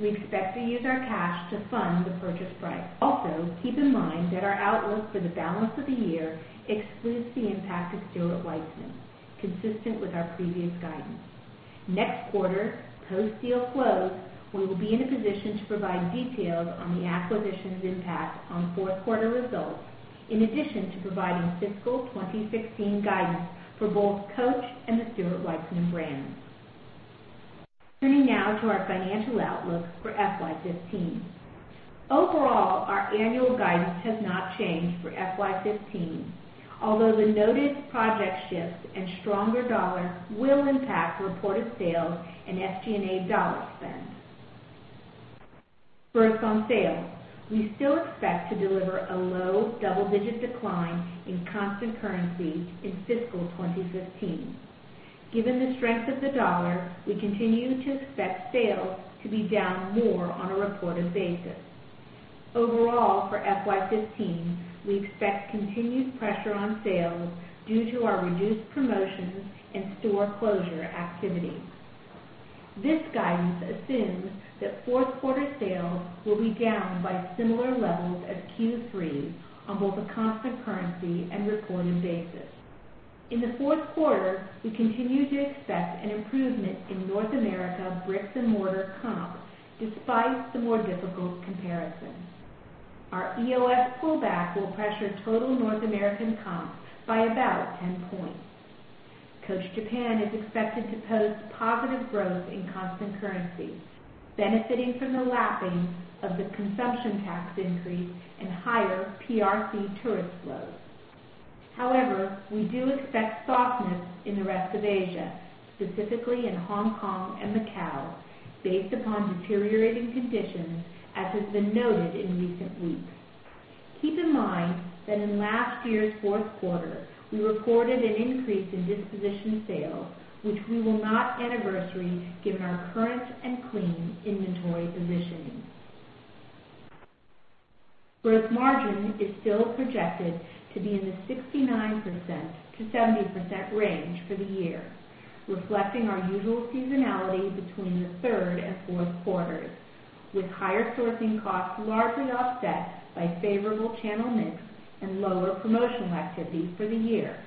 We expect to use our cash to fund the purchase price. Also, keep in mind that our outlook for the balance of the year excludes the impact of Stuart Weitzman, consistent with our previous guidance. Next quarter, post-deal close, we will be in a position to provide details on the acquisition's impact on fourth quarter results, in addition to providing fiscal 2016 guidance for both Coach and the Stuart Weitzman brand. Turning now to our financial outlook for FY 2015. Overall, our annual guidance has not changed for FY 2015, although the noted project shifts and stronger dollar will impact reported sales and SG&A dollar spend. First on sales, we still expect to deliver a low double-digit decline in constant currency in fiscal 2015. Given the strength of the dollar, we continue to expect sales to be down more on a reported basis. Overall, for FY 2015, we expect continued pressure on sales due to our reduced promotions and store closure activity. This guidance assumes that fourth quarter sales will be down by similar levels as Q3 on both a constant currency and reported basis. In the fourth quarter, we continue to expect an improvement in North America bricks and mortar comp despite the more difficult comparison. Our EOS pullback will pressure total North American comp by about 10 points. Coach Japan is expected to post positive growth in constant currency, benefiting from the lapping of the consumption tax increase and higher PRC tourist flows. However, we do expect softness in the rest of Asia, specifically in Hong Kong and Macau, based upon deteriorating conditions, as has been noted in recent weeks. Keep in mind that in last year's fourth quarter, we reported an increase in disposition sales, which we will not anniversary given our current and clean inventory positioning. Gross margin is still projected to be in the 69%-70% range for the year, reflecting our usual seasonality between the third and fourth quarters, with higher sourcing costs largely offset by favorable channel mix and lower promotional activity for the year.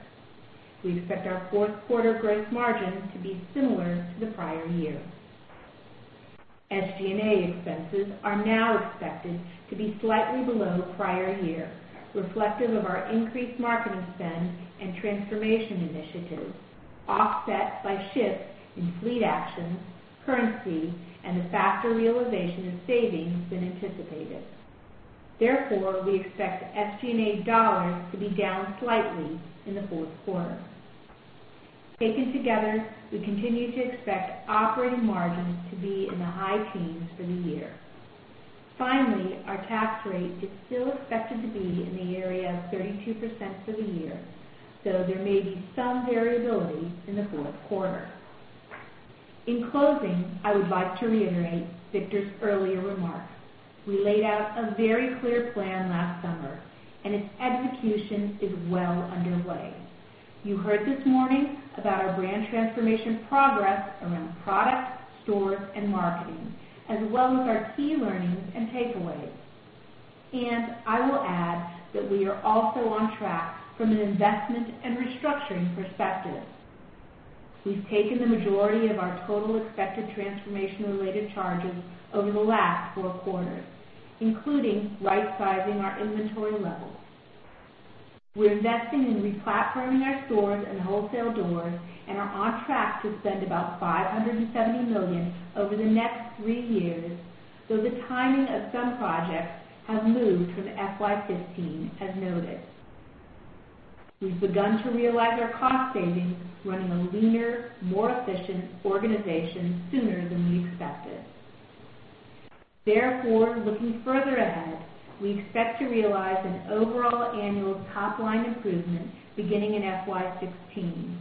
We expect our fourth quarter gross margin to be similar to the prior year. SG&A expenses are now expected to be slightly below prior year, reflective of our increased marketing spend and transformation initiatives, offset by shifts in fleet actions, currency, and the faster realization of savings than anticipated. Therefore, we expect SG&A dollars to be down slightly in the fourth quarter. Taken together, we continue to expect operating margins to be in the high teens for the year. Finally, our tax rate is still expected to be in the area of 32% for the year, so there may be some variability in the fourth quarter. In closing, I would like to reiterate Victor's earlier remarks. We laid out a very clear plan last summer, and its execution is well underway. You heard this morning about our brand transformation progress around products, stores, and marketing, as well as our key learnings and takeaways. I will add that we are also on track from an investment and restructuring perspective. We've taken the majority of our total expected transformation-related charges over the last four quarters, including right-sizing our inventory levels. We're investing in re-platforming our stores and wholesale doors and are on track to spend about $570 million over the next three years, though the timing of some projects have moved from FY 2015 as noted. We've begun to realize our cost savings, running a leaner, more efficient organization sooner than we expected. Therefore, looking further ahead, we expect to realize an overall annual top-line improvement beginning in FY 2016,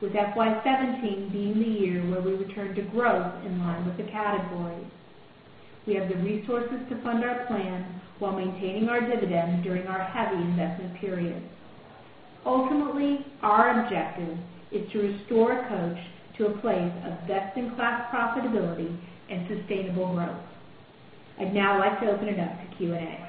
with FY 2017 being the year where we return to growth in line with the category. We have the resources to fund our plan while maintaining our dividend during our heavy investment period. Ultimately, our objective is to restore Coach to a place of best-in-class profitability and sustainable growth. I'd now like to open it up to Q&A.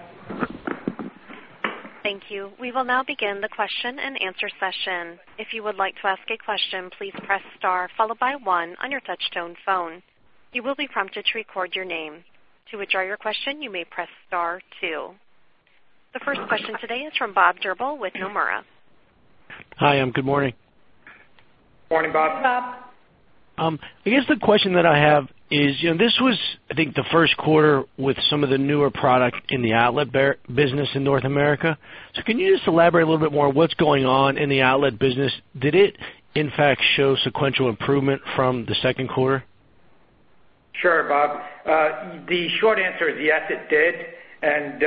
Thank you. We will now begin the question and answer session. If you would like to ask a question, please press star followed by one on your touch-tone phone. You will be prompted to record your name. To withdraw your question, you may press star two. The first question today is from Bob Drbul with Nomura. Hi, good morning. Morning, Bob. Hey, Bob. I guess the question that I have is, this was, I think, the first quarter with some of the newer product in the outlet business in North America. Can you just elaborate a little bit more on what's going on in the outlet business? Did it, in fact, show sequential improvement from the second quarter? Sure, Bob. The short answer is yes, it did. As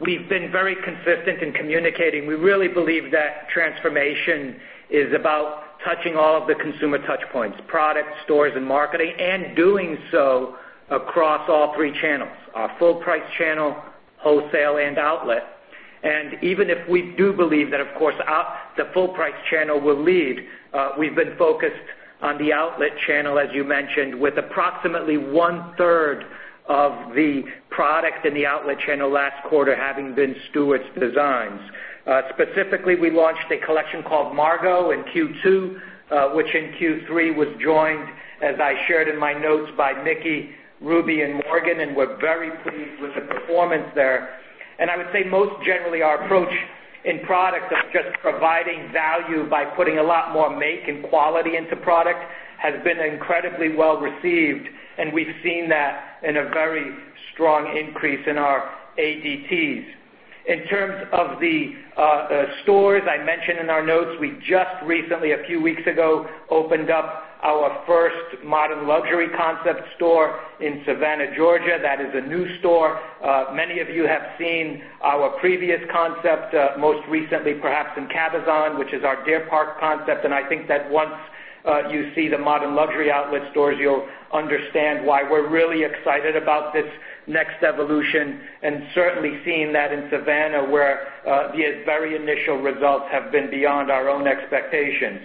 we've been very consistent in communicating, we really believe that transformation is about touching all of the consumer touch points, products, stores, and marketing, and doing so across all three channels, our full-price channel, wholesale, and outlet. Even if we do believe that, of course, the full-price channel will lead, we've been focused on the outlet channel, as you mentioned, with approximately one-third of the product in the outlet channel last quarter having been Stuart's designs. Specifically, we launched a collection called Margot in Q2, which in Q3 was joined, as I shared in my notes, by Mickey, Ruby, and Morgan, and we're very pleased with the performance there. I would say most generally, our approach in product of just providing value by putting a lot more make and quality into product has been incredibly well received, and we've seen that in a very strong increase in our ADTs. In terms of the stores, I mentioned in our notes, we just recently, a few weeks ago, opened up our first modern luxury concept store in Savannah, Georgia. That is a new store. Many of you have seen our previous concept, most recently, perhaps in Cabazon, which is our Deer Park concept, and I think that once you see the modern luxury outlet stores, you'll understand why we're really excited about this next evolution and certainly seeing that in Savannah, where the very initial results have been beyond our own expectations.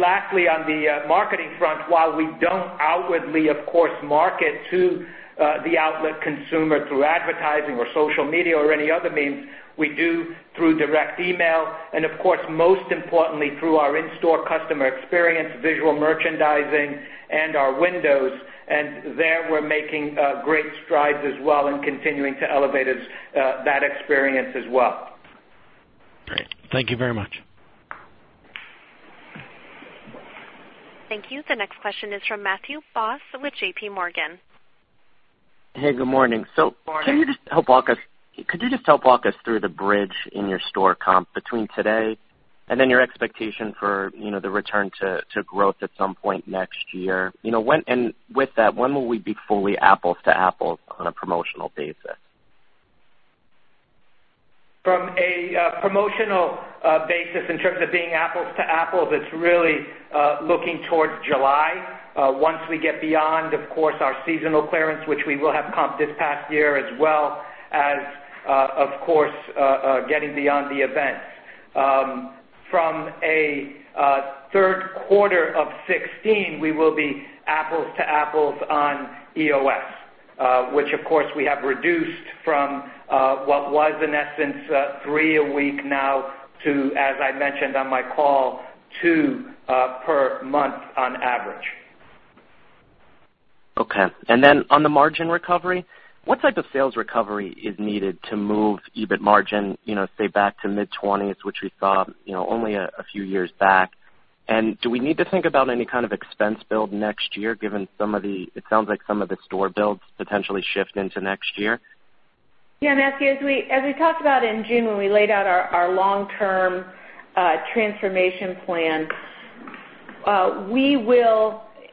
Lastly, on the marketing front, while we don't outwardly, of course, market to the outlet consumer through advertising or social media or any other means, we do through direct email, and of course, most importantly, through our in-store customer experience, visual merchandising, and our windows. There, we're making great strides as well and continuing to elevate that experience as well. Great. Thank you very much. Thank you. The next question is from Matthew Boss with JPMorgan. Hey, good morning. Morning. Can you just help walk us through the bridge in your store comp between today and then your expectation for the return to growth at some point next year? With that, when will we be fully apples to apples on a promotional basis? From a promotional basis, in terms of being apples to apples, it's really looking towards July. Once we get beyond, of course, our seasonal clearance, which we will have comp this past year as well as, of course, getting beyond the events. From a third quarter of 2016, we will be apples to apples on EOS. Which, of course, we have reduced from what was in essence three a week now to, as I mentioned on my call, two per month on average. Okay. On the margin recovery, what type of sales recovery is needed to move EBIT margin, say, back to mid-20s, which we saw only a few years back? Do we need to think about any kind of expense build next year, given it sounds like some of the store builds potentially shift into next year? Yeah, Matthew, as we talked about in June when we laid out our long-term transformation plan,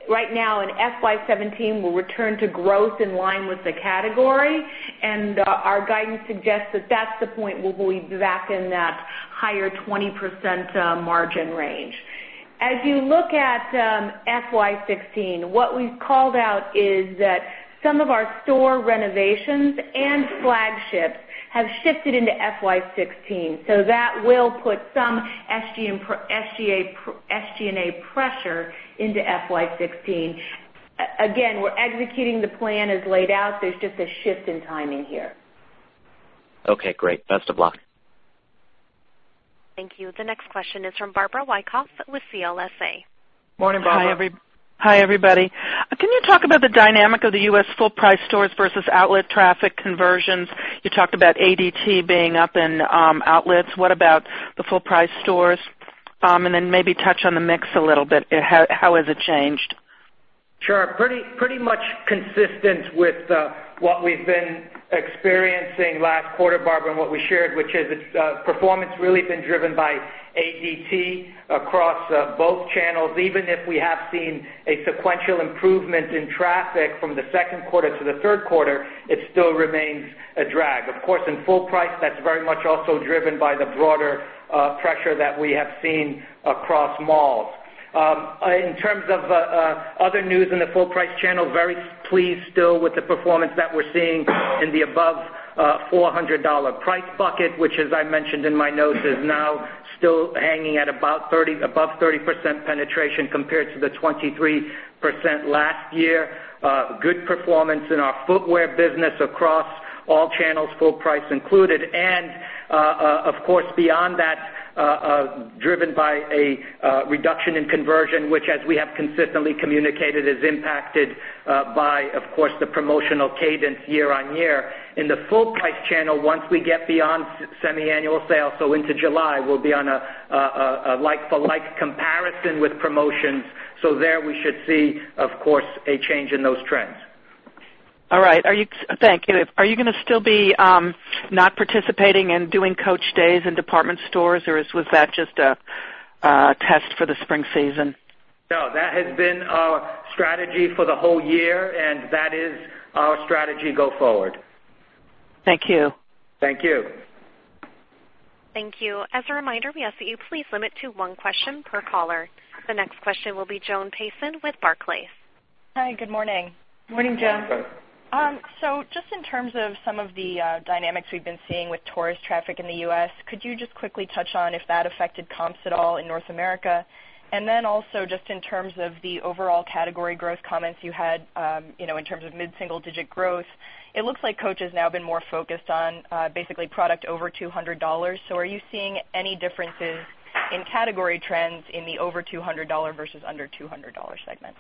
right now in FY 2017, we'll return to growth in line with the category, our guidance suggests that that's the point we'll be back in that higher 20% margin range. As you look at FY 2016, what we've called out is that some of our store renovations and flagships have shifted into FY 2016. That will put some SG&A pressure into FY 2016. Again, we're executing the plan as laid out. There's just a shift in timing here. Okay, great. Best of luck. Thank you. The next question is from Barbara Wyckoff with CLSA. Morning, Barbara. Morning. Hi, everybody. Can you talk about the dynamic of the U.S. full price stores versus outlet traffic conversions? You talked about ADT being up in outlets. What about the full price stores? Maybe touch on the mix a little bit. How has it changed? Sure. Pretty much consistent with what we've been experiencing last quarter, Barbara, and what we shared, which is its performance really been driven by ADT across both channels. Even if we have seen a sequential improvement in traffic from the second quarter to the third quarter, it still remains a drag. In full price, that's very much also driven by the broader pressure that we have seen across malls. In terms of other news in the full price channel, very pleased still with the performance that we're seeing in the above $400 price bucket, which, as I mentioned in my notes, is now still hanging at above 30% penetration compared to the 23% last year. Good performance in our footwear business across all channels, full price included. Beyond that, driven by a reduction in conversion, which, as we have consistently communicated, is impacted by, of course, the promotional cadence year-over-year. In the full price channel, once we get beyond semiannual sales, so into July, we'll be on a like-for-like comparison with promotions. There we should see, of course, a change in those trends. All right. Thank you. Are you going to still be not participating in doing Coach Days in department stores, or was that just a test for the spring season? No, that has been our strategy for the whole year, and that is our strategy go forward. Thank you. Thank you. Thank you. As a reminder, we ask that you please limit to one question per caller. The next question will be Joan Payson with Barclays. Hi, good morning. Morning, Joan. Morning. Just in terms of some of the dynamics we've been seeing with tourist traffic in the U.S., could you just quickly touch on if that affected comps at all in North America? Also, just in terms of the overall category growth comments you had in terms of mid-single digit growth, it looks like Coach has now been more focused on basically product over $200. Are you seeing any differences in category trends in the over $200 versus under $200 segments?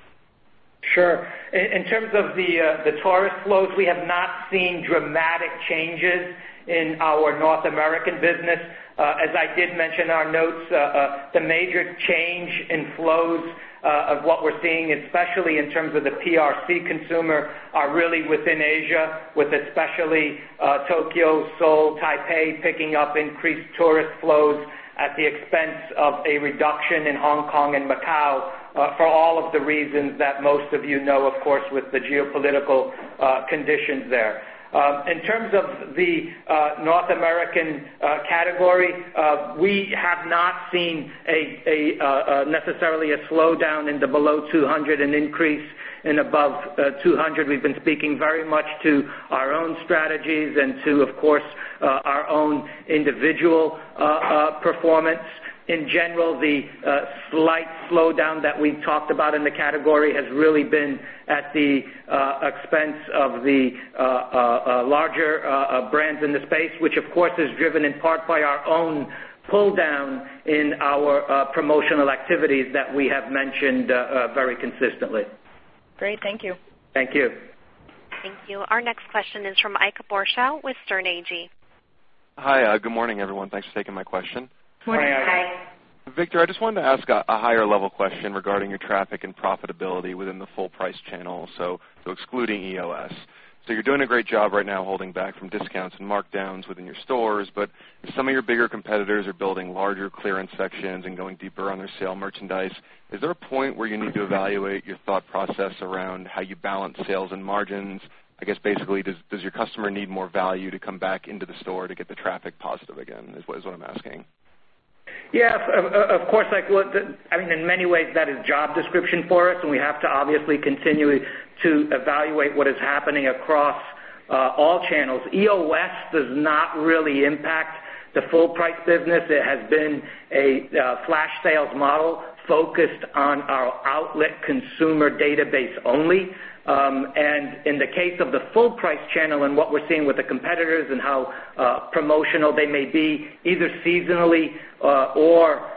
Sure. In terms of the tourist flows, we have not seen dramatic changes in our North American business. As I did mention in our notes, the major change in flows of what we're seeing, especially in terms of the PRC consumer, are really within Asia, with especially Tokyo, Seoul, Taipei, picking up increased tourist flows at the expense of a reduction in Hong Kong and Macau for all of the reasons that most of you know, of course, with the geopolitical conditions there. In terms of the North American category, we have not seen necessarily a slowdown in the below $200, an increase in above $200. We've been speaking very much to our own strategies and to, of course, our own individual performance. In general, the slight slowdown that we've talked about in the category has really been at the expense of the larger brands in the space, which of course, is driven in part by our own pull down in our promotional activities that we have mentioned very consistently. Great. Thank you. Thank you. Thank you. Our next question is from Ike Boruchow with Sterne Agee. Hi, good morning, everyone. Thanks for taking my question. Morning. Hi. Victor, I just wanted to ask a higher level question regarding your traffic and profitability within the full price channel, so excluding EOS. You're doing a great job right now holding back from discounts and markdowns within your stores, but some of your bigger competitors are building larger clearance sections and going deeper on their sale merchandise. Is there a point where you need to evaluate your thought process around how you balance sales and margins? I guess basically, does your customer need more value to come back into the store to get the traffic positive again, is what I'm asking. Yeah, of course. I mean, in many ways, that is job description for us, and we have to obviously continue to evaluate what is happening across all channels. EOS does not really impact the full price business. It has been a flash sales model focused on our outlet consumer database only. In the case of the full price channel and what we're seeing with the competitors and how promotional they may be, either seasonally or openly,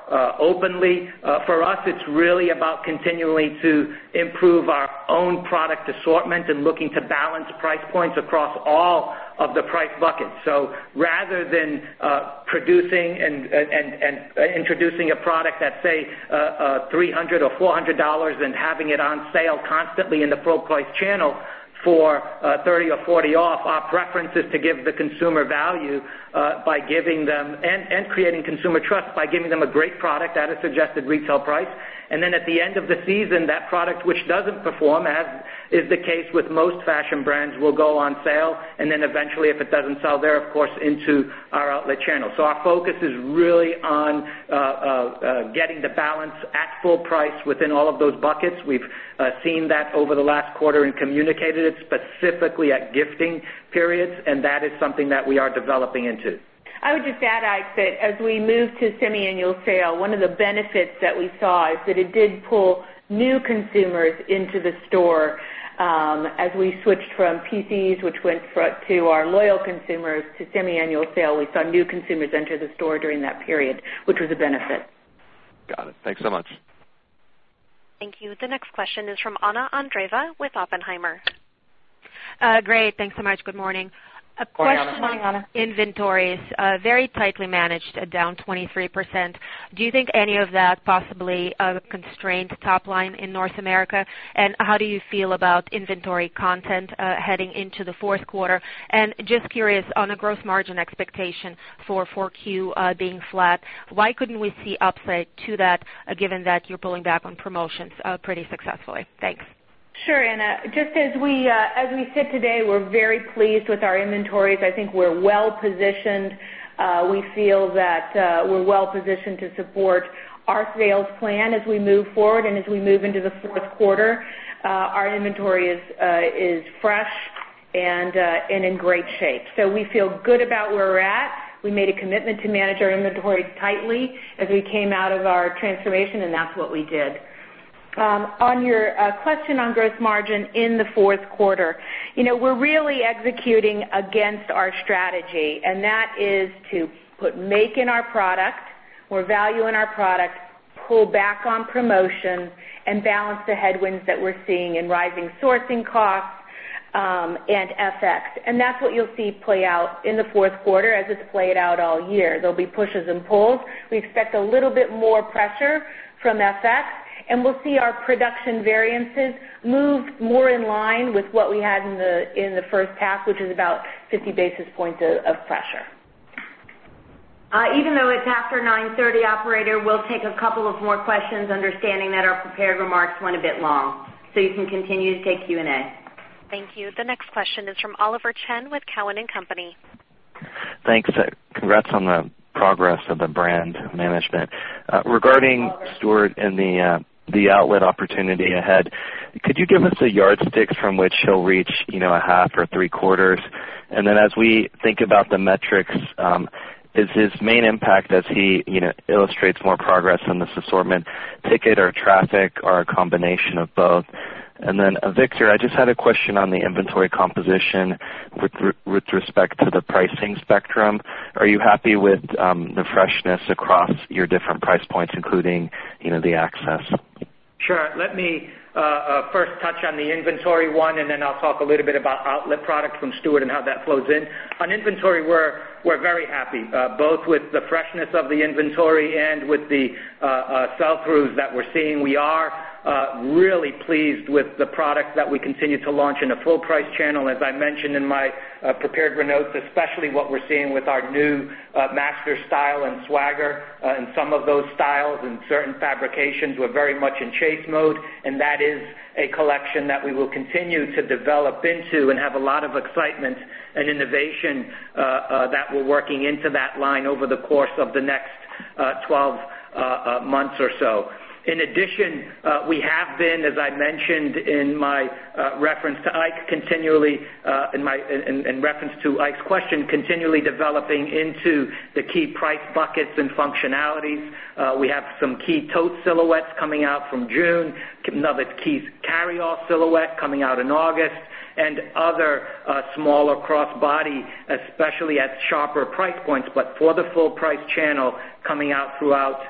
for us, it's really about continuing to improve our own product assortment and looking to balance price points across all of the price buckets. Rather than producing and introducing a product at, say, $300 or $400 and having it on sale constantly in the full price channel for 30% or 40% off, our preference is to give the consumer value and creating consumer trust by giving them a great product at a suggested retail price. Then at the end of the season, that product which doesn't perform, as is the case with most fashion brands, will go on sale, and then eventually, if it doesn't sell there, of course, into our outlet channel. Our focus is really on getting the balance at full price within all of those buckets. We've seen that over the last quarter and communicated it specifically at gifting periods, and that is something that we are developing into. I would just add, Ike, that as we move to semiannual sale, one of the benefits that we saw is that it did pull new consumers into the store. As we switched from PCs, which went to our loyal consumers to semiannual sale, we saw new consumers enter the store during that period, which was a benefit. Got it. Thanks so much. Thank you. The next question is from Anna Andreeva with Oppenheimer. Great. Thanks so much. Good morning. Good morning, Anna. Good morning, Anna. A question on inventories. Very tightly managed, down 23%. Do you think any of that possibly constrained top line in North America? How do you feel about inventory content heading into the fourth quarter? Just curious on a gross margin expectation for 4Q being flat, why couldn't we see upside to that, given that you're pulling back on promotions pretty successfully? Thanks. Sure, Anna. Just as we sit today, we're very pleased with our inventories. I think we're well-positioned. We feel that we're well-positioned to support our sales plan as we move forward and as we move into the fourth quarter. Our inventory is fresh and in great shape. We feel good about where we're at. We made a commitment to manage our inventories tightly as we came out of our transformation, and that's what we did. On your question on gross margin in the fourth quarter, we're really executing against our strategy, and that is to put more in our product, more value in our product, pull back on promotions, and balance the headwinds that we're seeing in rising sourcing costs and FX. That's what you'll see play out in the fourth quarter as it's played out all year. There'll be pushes and pulls. We expect a little bit more pressure from FX, and we'll see our production variances move more in line with what we had in the first half, which is about 50 basis points of pressure. Even though it's after 9:30, operator, we'll take a couple of more questions, understanding that our prepared remarks went a bit long, you can continue to take Q&A. Thank you. The next question is from Oliver Chen with TD Cowen. Thanks. Congrats on the progress of the brand management. Regarding Stuart and the outlet opportunity ahead, could you give us a yardstick from which he'll reach a half or three-quarters? Then as we think about the metrics, is his main impact as he illustrates more progress on this assortment ticket or traffic or a combination of both? Then Victor, I just had a question on the inventory composition with respect to the pricing spectrum. Are you happy with the freshness across your different price points, including the outlet? Sure. Let me first touch on the inventory one, then I'll talk a little bit about outlet product from Stuart and how that flows in. On inventory, we're very happy both with the freshness of the inventory and with the sell-throughs that we're seeing. We are really pleased with the product that we continue to launch in a full price channel, as I mentioned in my prepared remarks, especially what we're seeing with our new master style and Swagger and some of those styles and certain fabrications. We're very much in chase mode, and that is a collection that we will continue to develop into and have a lot of excitement and innovation that we're working into that line over the course of the next 12 months or so. In addition, we have been, as I mentioned in reference to Ike's question, continually developing into the key price buckets and functionalities. We have some key tote silhouettes coming out from June, another key carryall silhouette coming out in August, and other smaller crossbody, especially at sharper price points, but for the full price channel coming out throughout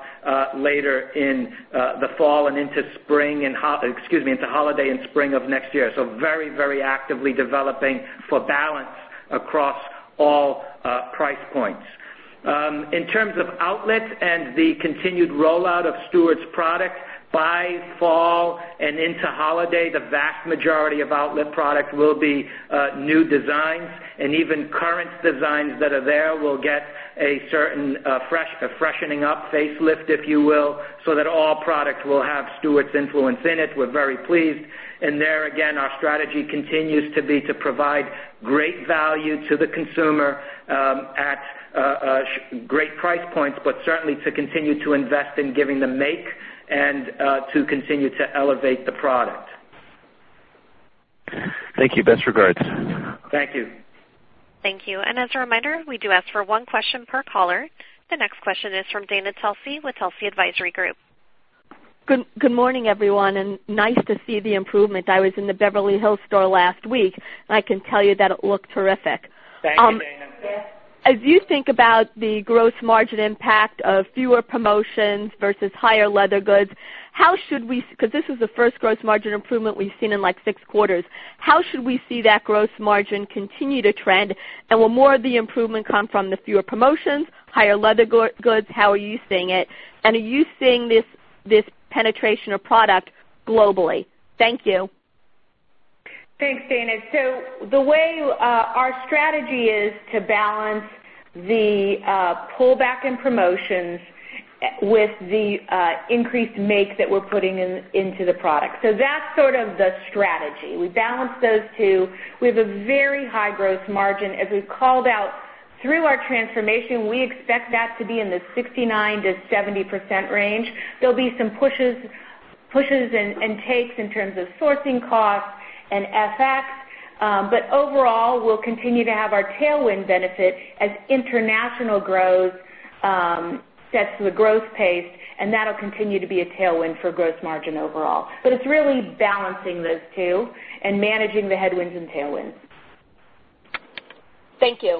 later in the fall and into holiday and spring of next year. Very actively developing for balance across all price points. In terms of outlets and the continued rollout of Stuart's product, by fall and into holiday, the vast majority of outlet product will be new designs, and even current designs that are there will get a certain freshening up, facelift, if you will, so that all products will have Stuart's influence in it. We're very pleased. There, again, our strategy continues to be to provide great value to the consumer at great price points, but certainly to continue to invest in giving the make and to continue to elevate the product. Thank you. Best regards. Thank you. Thank you. As a reminder, we do ask for one question per caller. The next question is from Dana Telsey with Telsey Advisory Group. Good morning, everyone. Nice to see the improvement. I was in the Beverly Hills store last week. I can tell you that it looked terrific. Thank you, Dana. As you think about the gross margin impact of fewer promotions versus higher leather goods, because this is the first gross margin improvement we've seen in six quarters, how should we see that gross margin continue to trend? Will more of the improvement come from the fewer promotions, higher leather goods? How are you seeing it? Are you seeing this penetration of product globally? Thank you. Thanks, Dana. The way our strategy is to balance the pullback in promotions with the increased make that we're putting into the product. That's sort of the strategy. We balance those two. We have a very high gross margin. As we've called out through our transformation, we expect that to be in the 69%-70% range. There'll be some pushes and takes in terms of sourcing costs and FX. Overall, we'll continue to have our tailwind benefit as international growth sets the growth pace, that'll continue to be a tailwind for gross margin overall. It's really balancing those two and managing the headwinds and tailwinds. Thank you.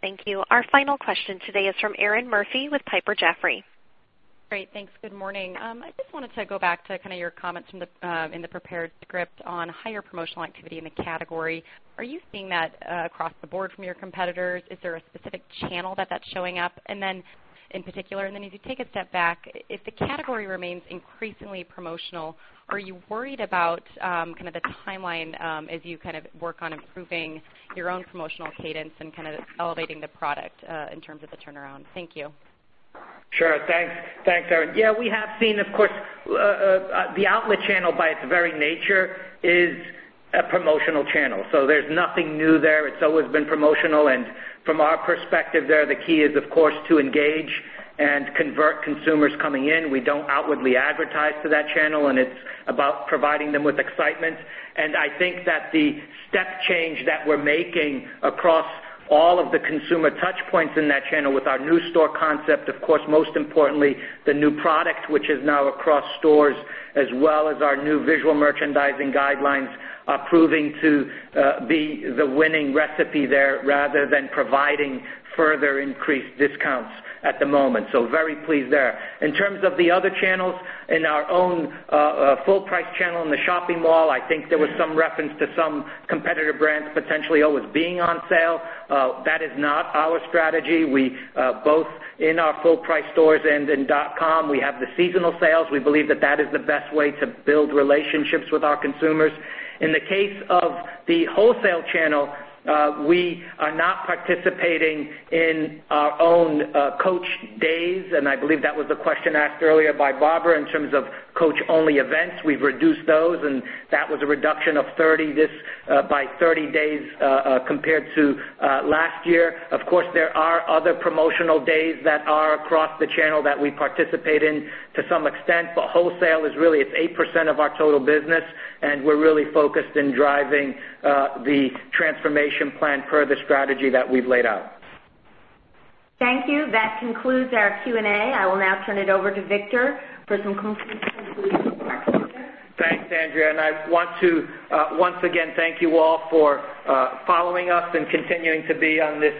Thank you. Our final question today is from Erinn Murphy with Piper Jaffray. Great. Thanks. Good morning. I just wanted to go back to kind of your comments in the prepared script on higher promotional activity in the category. Are you seeing that across the board from your competitors? Is there a specific channel that that's showing up in particular? Then if you take a step back, if the category remains increasingly promotional, are you worried about kind of the timeline as you kind of work on improving your own promotional cadence and kind of elevating the product in terms of the turnaround? Thank you. Sure. Thanks, Erinn. Yeah, we have seen, of course, the outlet channel by its very nature is a promotional channel. There's nothing new there. It's always been promotional, From our perspective there, the key is, of course, to engage and convert consumers coming in. We don't outwardly advertise to that channel, It's about providing them with excitement. I think that the step change that we're making across all of the consumer touchpoints in that channel with our new store concept, of course, most importantly, the new product, which is now across stores, as well as our new visual merchandising guidelines, are proving to be the winning recipe there rather than providing further increased discounts at the moment. Very pleased there. In terms of the other channels, in our own full-price channel in the shopping mall, I think there was some reference to some competitor brands potentially always being on sale. That is not our strategy. We both in our full-price stores and in .com, we have the seasonal sales. We believe that that is the best way to build relationships with our consumers. In the case of the wholesale channel, we are not participating in our own Coach days, and I believe that was the question asked earlier by Barbara in terms of Coach-only events. We've reduced those, and that was a reduction by 30 days compared to last year. Of course, there are other promotional days that are across the channel that we participate in to some extent, but wholesale is really, it's 8% of our total business, and we're really focused in driving the transformation plan per the strategy that we've laid out. Thank you. That concludes our Q&A. I will now turn it over to Victor for some concluding remarks. Victor? Thanks, Andrea. I want to once again thank you all for following us and continuing to be on this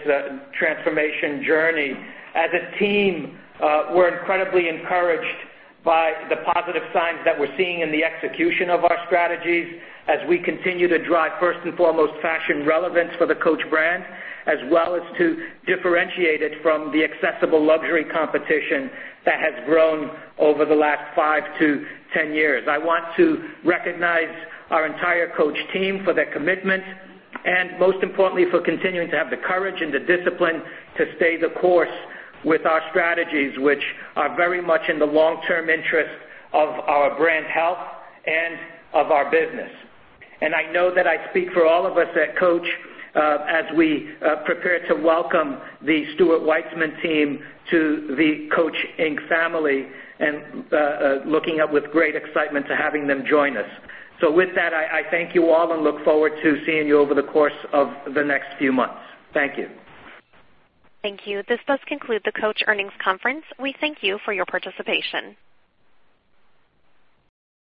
transformation journey. As a team, we're incredibly encouraged by the positive signs that we're seeing in the execution of our strategies as we continue to drive, first and foremost, fashion relevance for the Coach brand, as well as to differentiate it from the accessible luxury competition that has grown over the last five to 10 years. I want to recognize our entire Coach team for their commitment, and most importantly, for continuing to have the courage and the discipline to stay the course with our strategies, which are very much in the long-term interest of our brand health and of our business. I know that I speak for all of us at Coach as we prepare to welcome the Stuart Weitzman team to the Coach Inc. family and looking up with great excitement to having them join us. With that, I thank you all and look forward to seeing you over the course of the next few months. Thank you. Thank you. This does conclude the Coach earnings conference. We thank you for your participation.